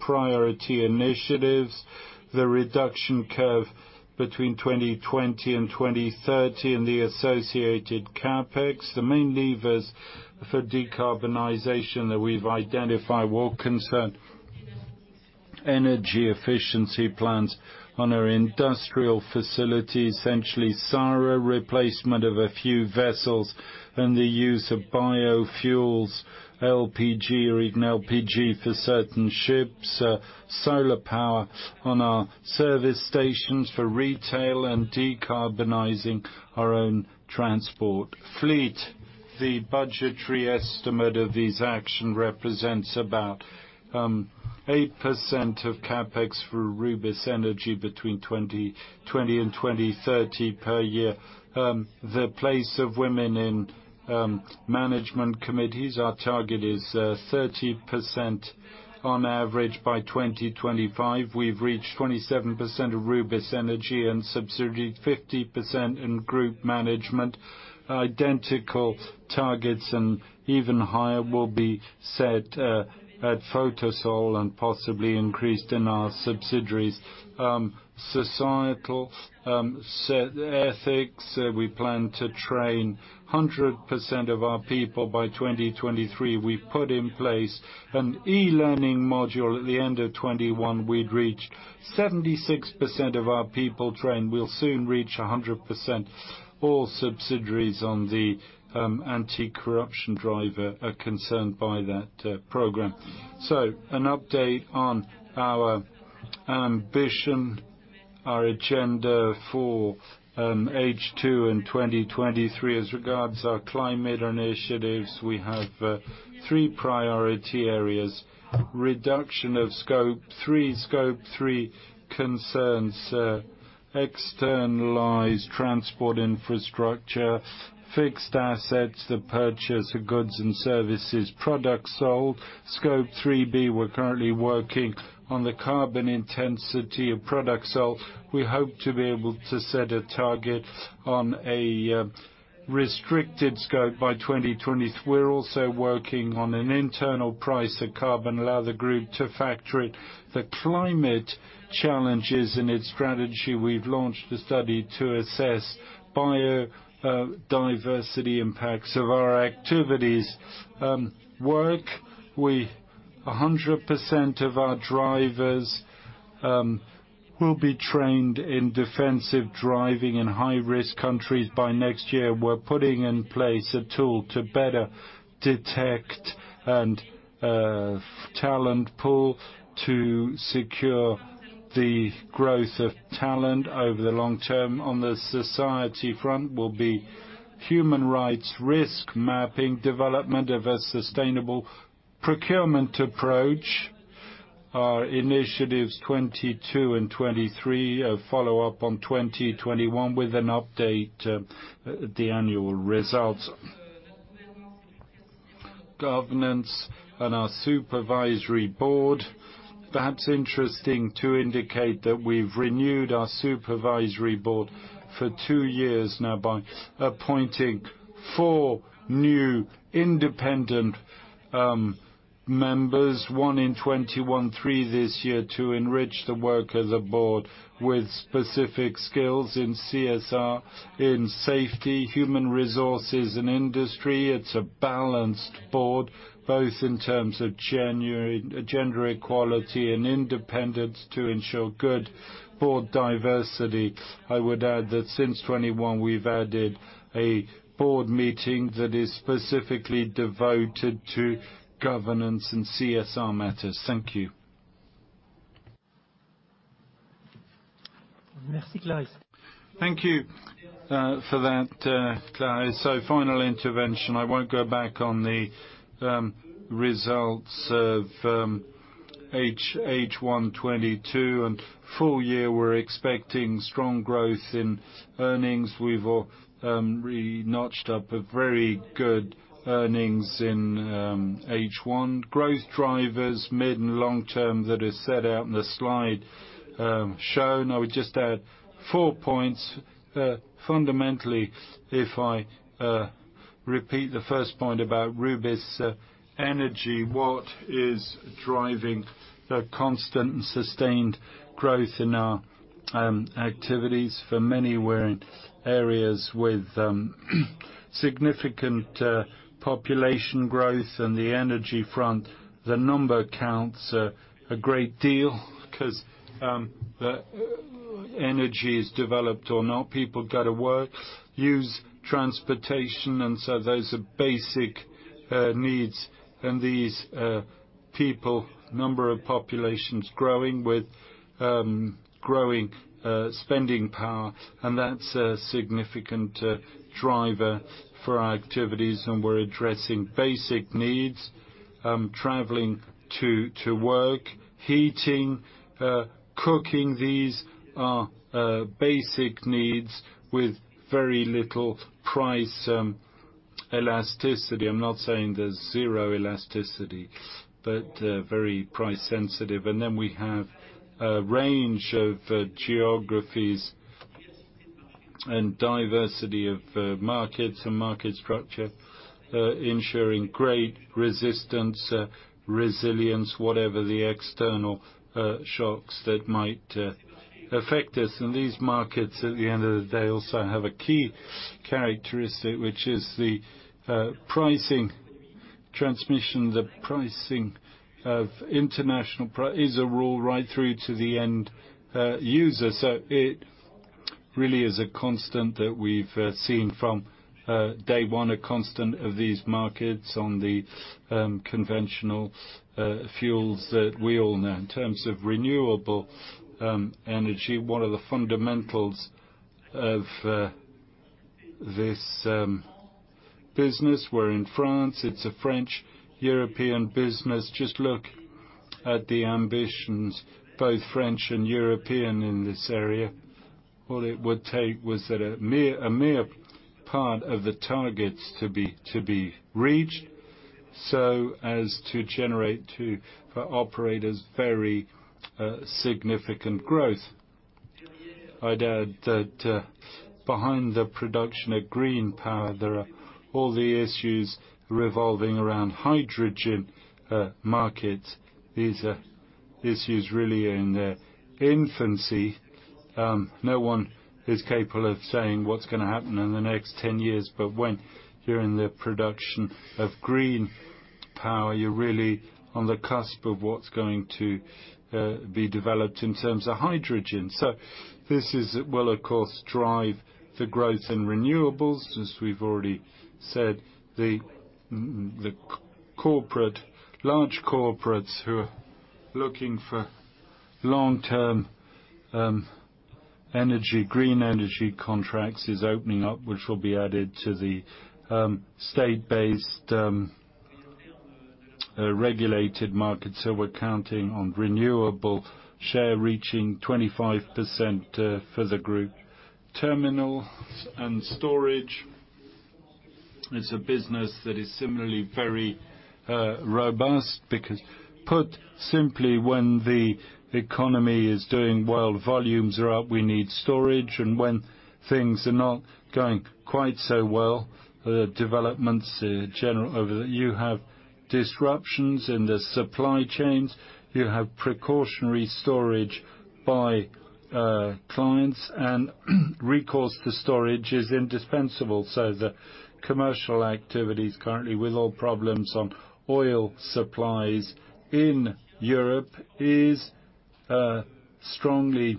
Speaker 3: priority initiatives, the reduction curve between 2020 and 2030 and the associated CapEx. The main levers for decarbonization that we've identified will concern energy efficiency plans on our industrial facilities. Essentially, SARA replacement of a few vessels and the use of biofuels, LPG or even LPG for certain ships, solar power on our service stations for retail and decarbonizing our own transport fleet. The budgetary estimate of this action represents about 8% of CapEx for Rubis Énergie between 2020 and 2030 per year. The place of women in management committees, our target is 30% on average by 2025. We've reached 27% of Rubis Énergie and subsidiary 50% in group management. Identical targets and even higher will be set at Photosol and possibly increased in our subsidiaries. Societal ethics, we plan to train 100% of our people by 2023. We've put in place an e-learning module. At the end of 2021, we'd reached 76% of our people trained. We'll soon reach 100%. All subsidiaries on the anti-corruption driver are concerned by that program. An update on our ambition, our agenda for H2 and 2023. As regards our climate initiatives, we have three priority areas. Reduction of scope 3. Scope 3 concerns externalized transport infrastructure, fixed assets, the purchase of goods and services, products sold. Scope 3B, we're currently working on the carbon intensity of products sold. We hope to be able to set a target on a restricted scope by 2023. We're also working on an internal price of carbon, allow the group to factor the climate challenges in its strategy. We've launched a study to assess biodiversity impacts of our activities. 100% of our drivers will be trained in defensive driving in high-risk countries by next year. We're putting in place a tool to better detect and talent pool to secure the growth of talent over the long term. On the society front will be human rights risk mapping, development of a sustainable procurement approach. Our initiatives 2022 and 2023, a follow-up on 2021 with an update at the annual results. Governance and our supervisory board. Perhaps interesting to indicate that we've renewed our supervisory board for two years now by appointing four new independent members, one in 2021, three this year, to enrich the work as a board with specific skills in CSR, in safety, human resources and industry. It's a balanced board, both in terms of gender equality and independence to ensure good board diversity. I would add that since 2021 we've added a board meeting that is specifically devoted to governance and CSR matters. Thank you.
Speaker 1: Merci, Clarisse. Thank you for that, Clarisse. Final intervention. I won't go back on the results of H1 2022 and full year. We're expecting strong growth in earnings. We've really notched up a very good earnings in H1. Growth drivers mid- and long-term that is set out in the slide shown. I would just add four points. Fundamentally, if I repeat the first point about Rubis Énergie, what is driving the constant and sustained growth in our activities for many years in areas with significant population growth on the energy front. The number counts a great deal 'cause energy is developed or not. People go to work, use transportation, and so those are basic needs. These people, number of populations growing with spending power, that's a significant driver for our activities. We're addressing basic needs. Traveling to work, heating, cooking. These are basic needs with very little price elasticity. I'm not saying there's zero elasticity, but very price sensitive. Then we have a range of geographies and diversity of markets and market structure, ensuring great resilience, whatever the external shocks that might affect us. These markets, at the end of the day, also have a key characteristic, which is the price transmission, the pricing of international products passed right through to the end user. It really is a constant that we've seen from day one, a constant of these markets on the conventional fuels that we all know. In terms of renewable energy, one of the fundamentals of this business. We're in France, it's a French European business. Just look at the ambitions, both French and European in this area. All it would take was that a mere part of the targets to be reached so as to generate for operators very significant growth. I'd add that behind the production of green power, there are all the issues revolving around hydrogen markets. These are issues really in their infancy. No one is capable of saying what's gonna happen in the next ten years. When you're in the production of green power, you're really on the cusp of what's going to be developed in terms of hydrogen. will of course drive the growth in renewables. As we've already said, large corporates who are looking for long-term energy green energy contracts is opening up, which will be added to the state-based regulated markets who are counting on renewable share reaching 25% for the group. Terminals and storage is a business that is similarly very robust because, put simply, when the economy is doing well, volumes are up, we need storage. when things are not going quite so well, you have disruptions in the supply chains, you have precautionary storage by clients, and recourse to storage is indispensable. The commercial activities currently with oil problems on oil supplies in Europe is strongly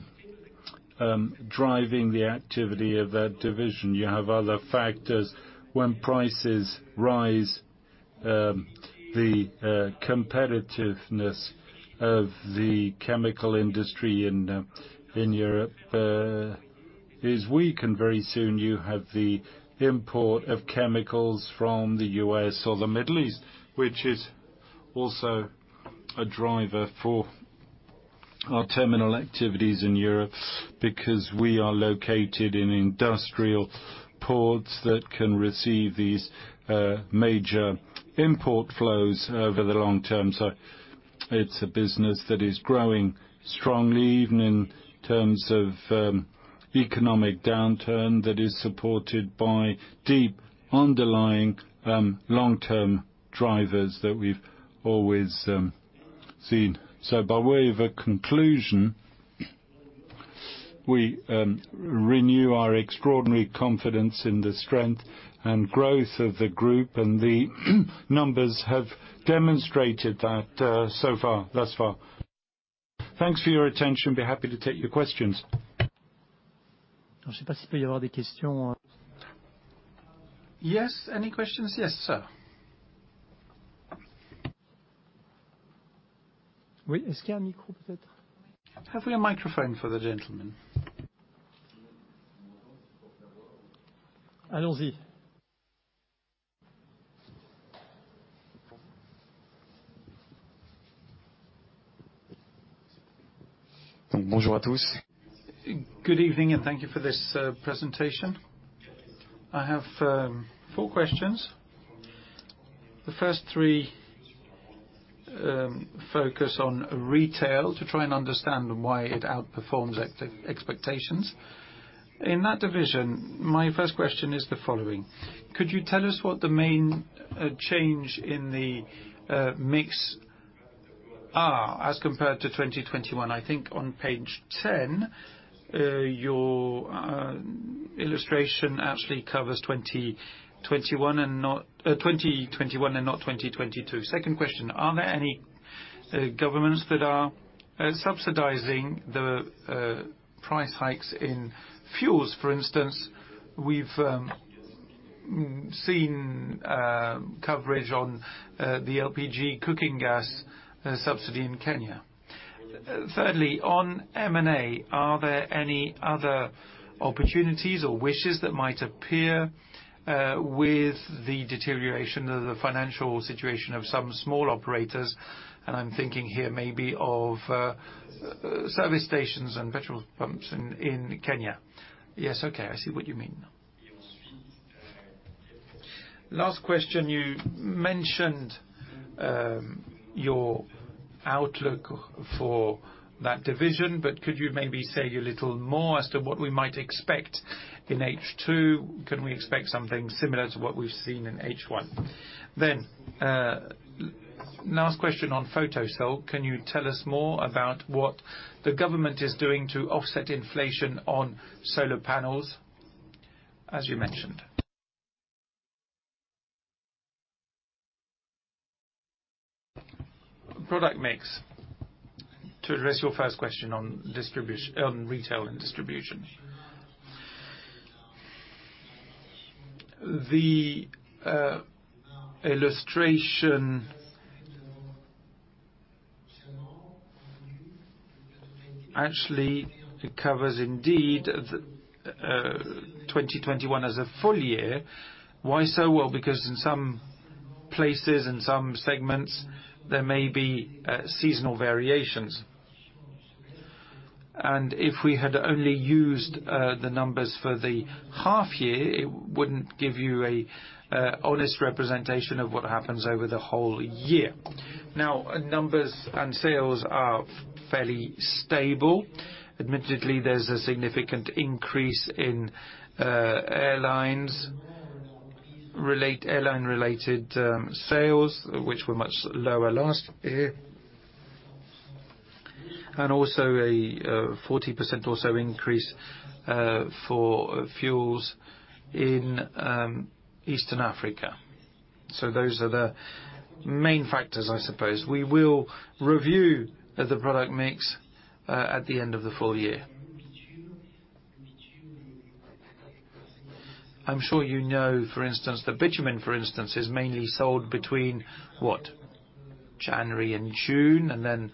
Speaker 1: driving the activity of that division. You have other factors. When prices rise, the competitiveness of the chemical industry in Europe is weak. Very soon you have the import of chemicals from the U.S. or the Middle East, which is also a driver for our terminal activities in Europe, because we are located in industrial ports that can receive these major import flows over the long term. It's a business that is growing strongly, even in terms of economic downturn that is supported by deep underlying long-term drivers that we've always seen. By way of a conclusion, we renew our extraordinary confidence in the strength and growth of the group, and the numbers have demonstrated that, so far, thus far. Thanks for your attention. Be happy to take your questions. Yes. Any questions? Yes, sir. Have we a microphone for the gentleman?
Speaker 4: Good evening, and thank you for this presentation. I have four questions. The first three focus on retail to try and understand why it outperforms exceeding expectations. In that division, my first question is the following: Could you tell us what the main change in the mix are as compared to 2021? I think on page 10 your illustration actually covers 2021 and not 2022. Second question: Are there any governments that are subsidizing the price hikes in fuels? For instance, we've seen coverage on the LPG cooking gas subsidy in Kenya. Thirdly, on M&A, are there any other opportunities or wishes that might appear with the deterioration of the financial situation of some small operators?
Speaker 1: I'm thinking here maybe of service stations and petrol pumps in Kenya. Yes. Okay, I see what you mean.
Speaker 4: Last question. You mentioned your outlook for that division, but could you maybe say a little more as to what we might expect in H2? Can we expect something similar to what we've seen in H1? Last question on Photosol: Can you tell us more about what the government is doing to offset inflation on solar panels, as you mentioned?
Speaker 1: Product mix. To address your first question on retail and distribution. The illustration Actually, it covers indeed the 2021 as a full year. Why so? Well, because in some places, in some segments, there may be seasonal variations. If we had only used the numbers for the half year, it wouldn't give you a honest representation of what happens over the whole year. Now, numbers and sales are fairly stable. Admittedly, there's a significant increase in airline-related sales, which were much lower last year. Also a 40% or so increase for fuels in East Africa. Those are the main factors, I suppose. We will review the product mix at the end of the full year. I'm sure you know, for instance, the bitumen, for instance, is mainly sold between what? January and June, and then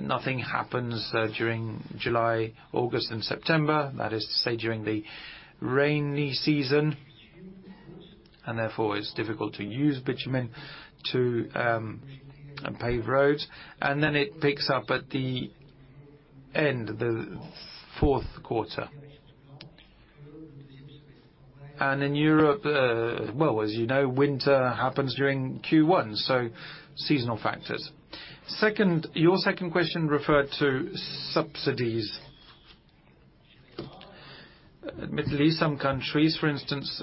Speaker 1: nothing happens during July, August and September. That is to say, during the rainy season, and therefore it's difficult to use bitumen to pave roads. It picks up at the end, the fourth quarter. In Europe, well, as you know, winter happens during Q1, so seasonal factors. Second, your second question referred to subsidies. Admittedly, some countries, for instance,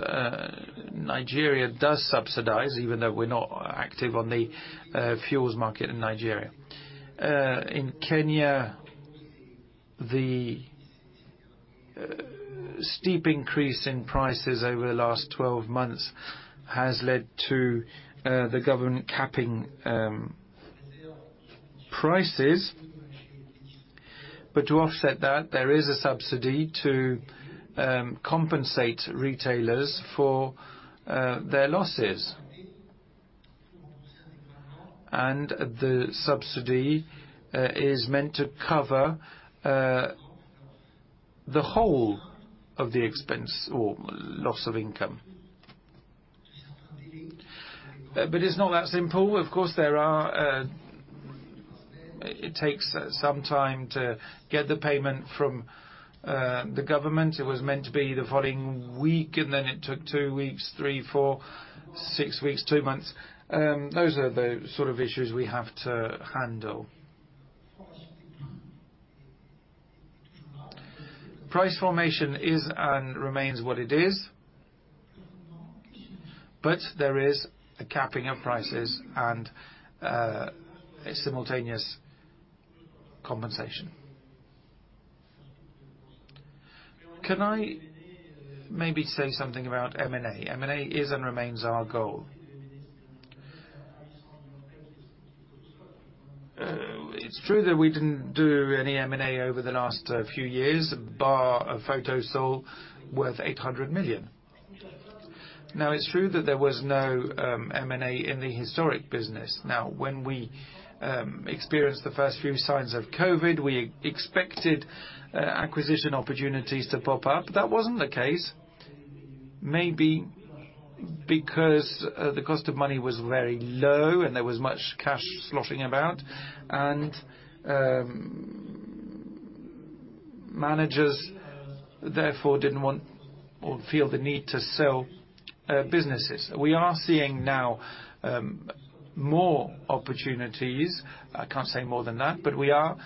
Speaker 1: Nigeria, does subsidize, even though we're not active on the fuels market in Nigeria. In Kenya, the steep increase in prices over the last 12 months has led to the government capping prices. To offset that, there is a subsidy to compensate retailers for their losses. The subsidy is meant to cover the whole of the expense or loss of income. It's not that simple. Of course, there are. It takes some time to get the payment from the government. It was meant to be the following week, and then it took 2 weeks, 3, 4, 6 weeks, 2 months. Those are the sort of issues we have to handle. Price formation is and remains what it is, but there is a capping of prices and a simultaneous compensation. Can I maybe say something about M&A? M&A is and remains our goal. It's true that we didn't do any M&A over the last few years, bar a Photosol worth 800 million. Now, it's true that there was no M&A in the historic business. Now, when we experienced the first few signs of COVID, we expected acquisition opportunities to pop up. That wasn't the case, maybe because the cost of money was very low and there was much cash sloshing about, and managers therefore didn't want or feel the need to sell businesses. We are seeing now more opportunities. I can't say more than that, but we are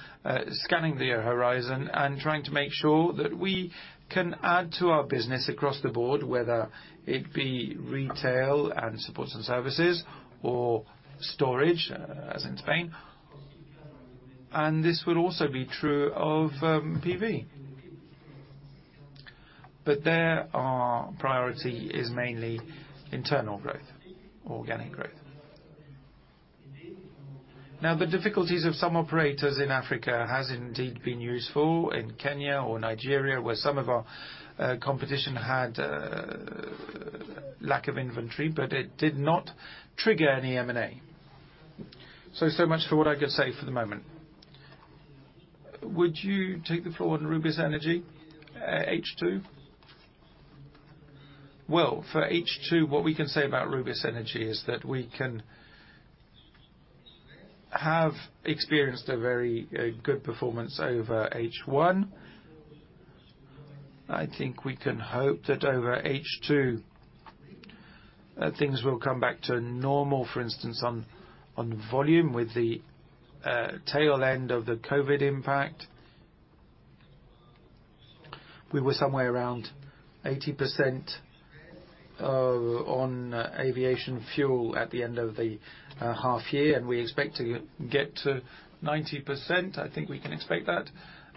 Speaker 1: scanning the horizon and trying to make sure that we can add to our business across the board, whether it be retail and support services or storage, as in Spain. This will also be true of PV. But there, our priority is mainly internal growth, organic growth. Now, the difficulties of some operators in Africa has indeed been useful in Kenya or Nigeria, where some of our competition had lack of inventory, but it did not trigger any M&A. So much for what I could say for the moment. Would you take the floor on Rubis Énergie, H2? Well, for H2, what we can say about Rubis Énergie is that we have experienced a very good performance over H1. I think we can hope that over H2, things will come back to normal, for instance, on volume with the tail end of the COVID impact. We were somewhere around 80% on aviation fuel at the end of the half year, and we expect to get to 90%. I think we can expect that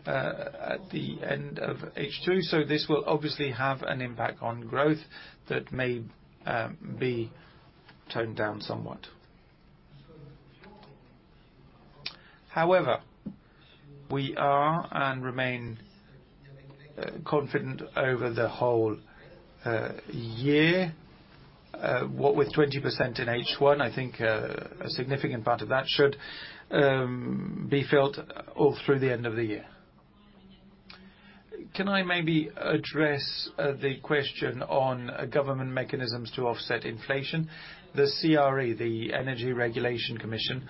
Speaker 1: at the end of H2. This will obviously have an impact on growth that may be toned down somewhat. However, we are and remain confident over the whole year. What with 20% in H1, I think a significant part of that should be felt all through the end of the year. Can I maybe address the question on government mechanisms to offset inflation? The CRE, the French Energy Regulatory Commission,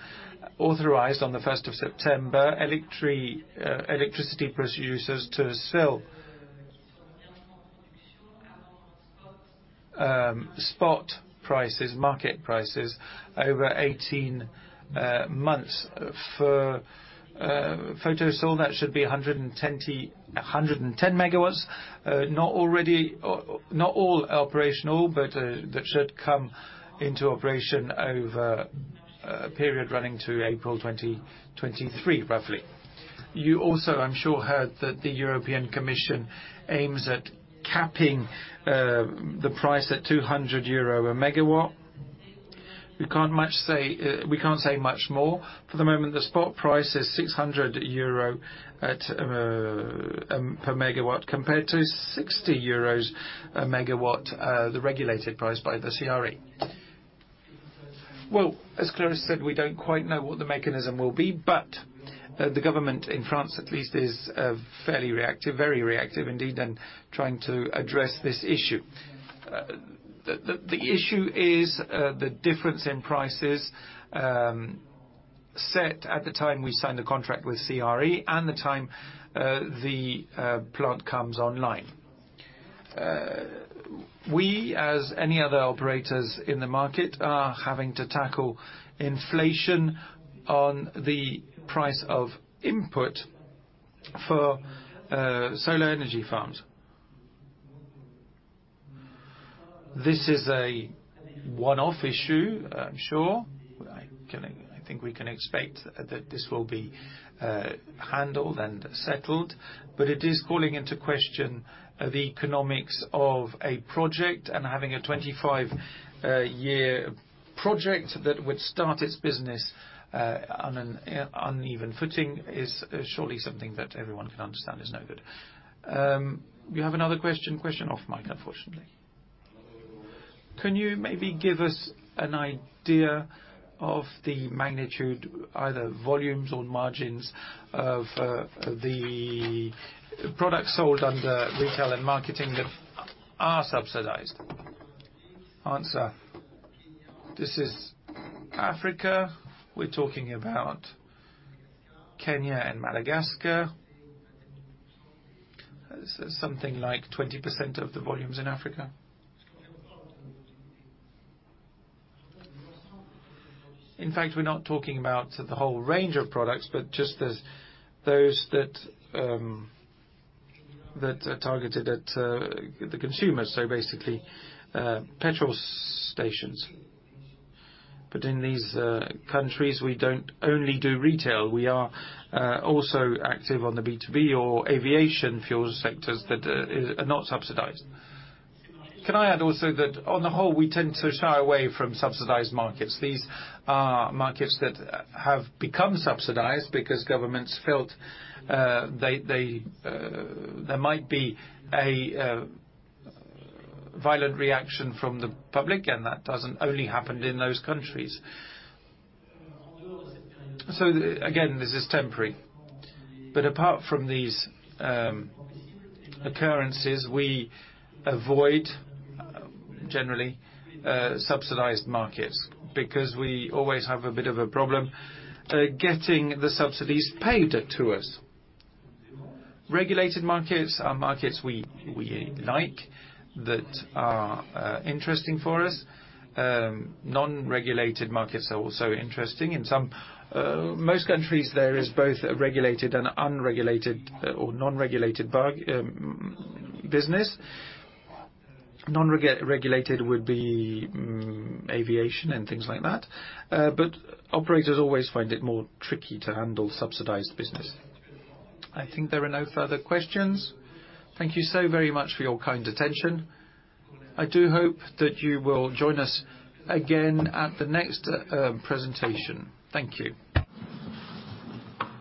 Speaker 1: authorized on the first of September, electricity producers to sell spot prices, market prices over 18 months. For Photosol, that should be 110 megawatts. Not all operational, but that should come into operation over a period running to April 2023, roughly. You also, I'm sure, heard that the European Commission aims at capping the price at 200 euro a megawatt. We can't say much more. For the moment, the spot price is 600 euro per megawatt, compared to 60 euros per megawatt, the regulated price by the CRE. Well, as Clarisse said, we don't quite know what the mechanism will be, but the government in France, at least, is fairly reactive, very reactive indeed, and trying to address this issue. The issue is the difference in prices set at the time we signed the contract with CRE and the time the plant comes online. We, as any other operators in the market, are having to tackle inflation on the price of input for solar energy farms. This is a one-off issue, I'm sure. I think we can expect that this will be handled and settled, but it is calling into question the economics of a project and having a 25-year project that would start its business on an uneven footing is surely something that everyone can understand is no good. You have another question? Question off mic, unfortunately. Can you maybe give us an idea of the magnitude, either volumes or margins, of the products sold under retail and marketing that are subsidized? Answer. This is Africa. We're talking about Kenya and Madagascar. Something like 20% of the volumes in Africa. In fact, we're not talking about the whole range of products, but just those that are targeted at the consumers, so basically petrol stations. In these countries, we don't only do retail, we are also active on the B2B or aviation fuel sectors that are not subsidized. Can I add also that on the whole, we tend to shy away from subsidized markets. These are markets that have become subsidized because governments felt they there might be a violent reaction from the public, and that doesn't only happen in those countries. Again, this is temporary. Apart from these occurrences, we avoid generally subsidized markets because we always have a bit of a problem getting the subsidies paid to us. Regulated markets are markets we like that are interesting for us. Non-regulated markets are also interesting. Most countries, there is both regulated and unregulated or non-regulated but business. Non-regulated would be aviation and things like that. Operators always find it more tricky to handle subsidized business. I think there are no further questions. Thank you so very much for your kind attention. I do hope that you will join us again at the next presentation. Thank you.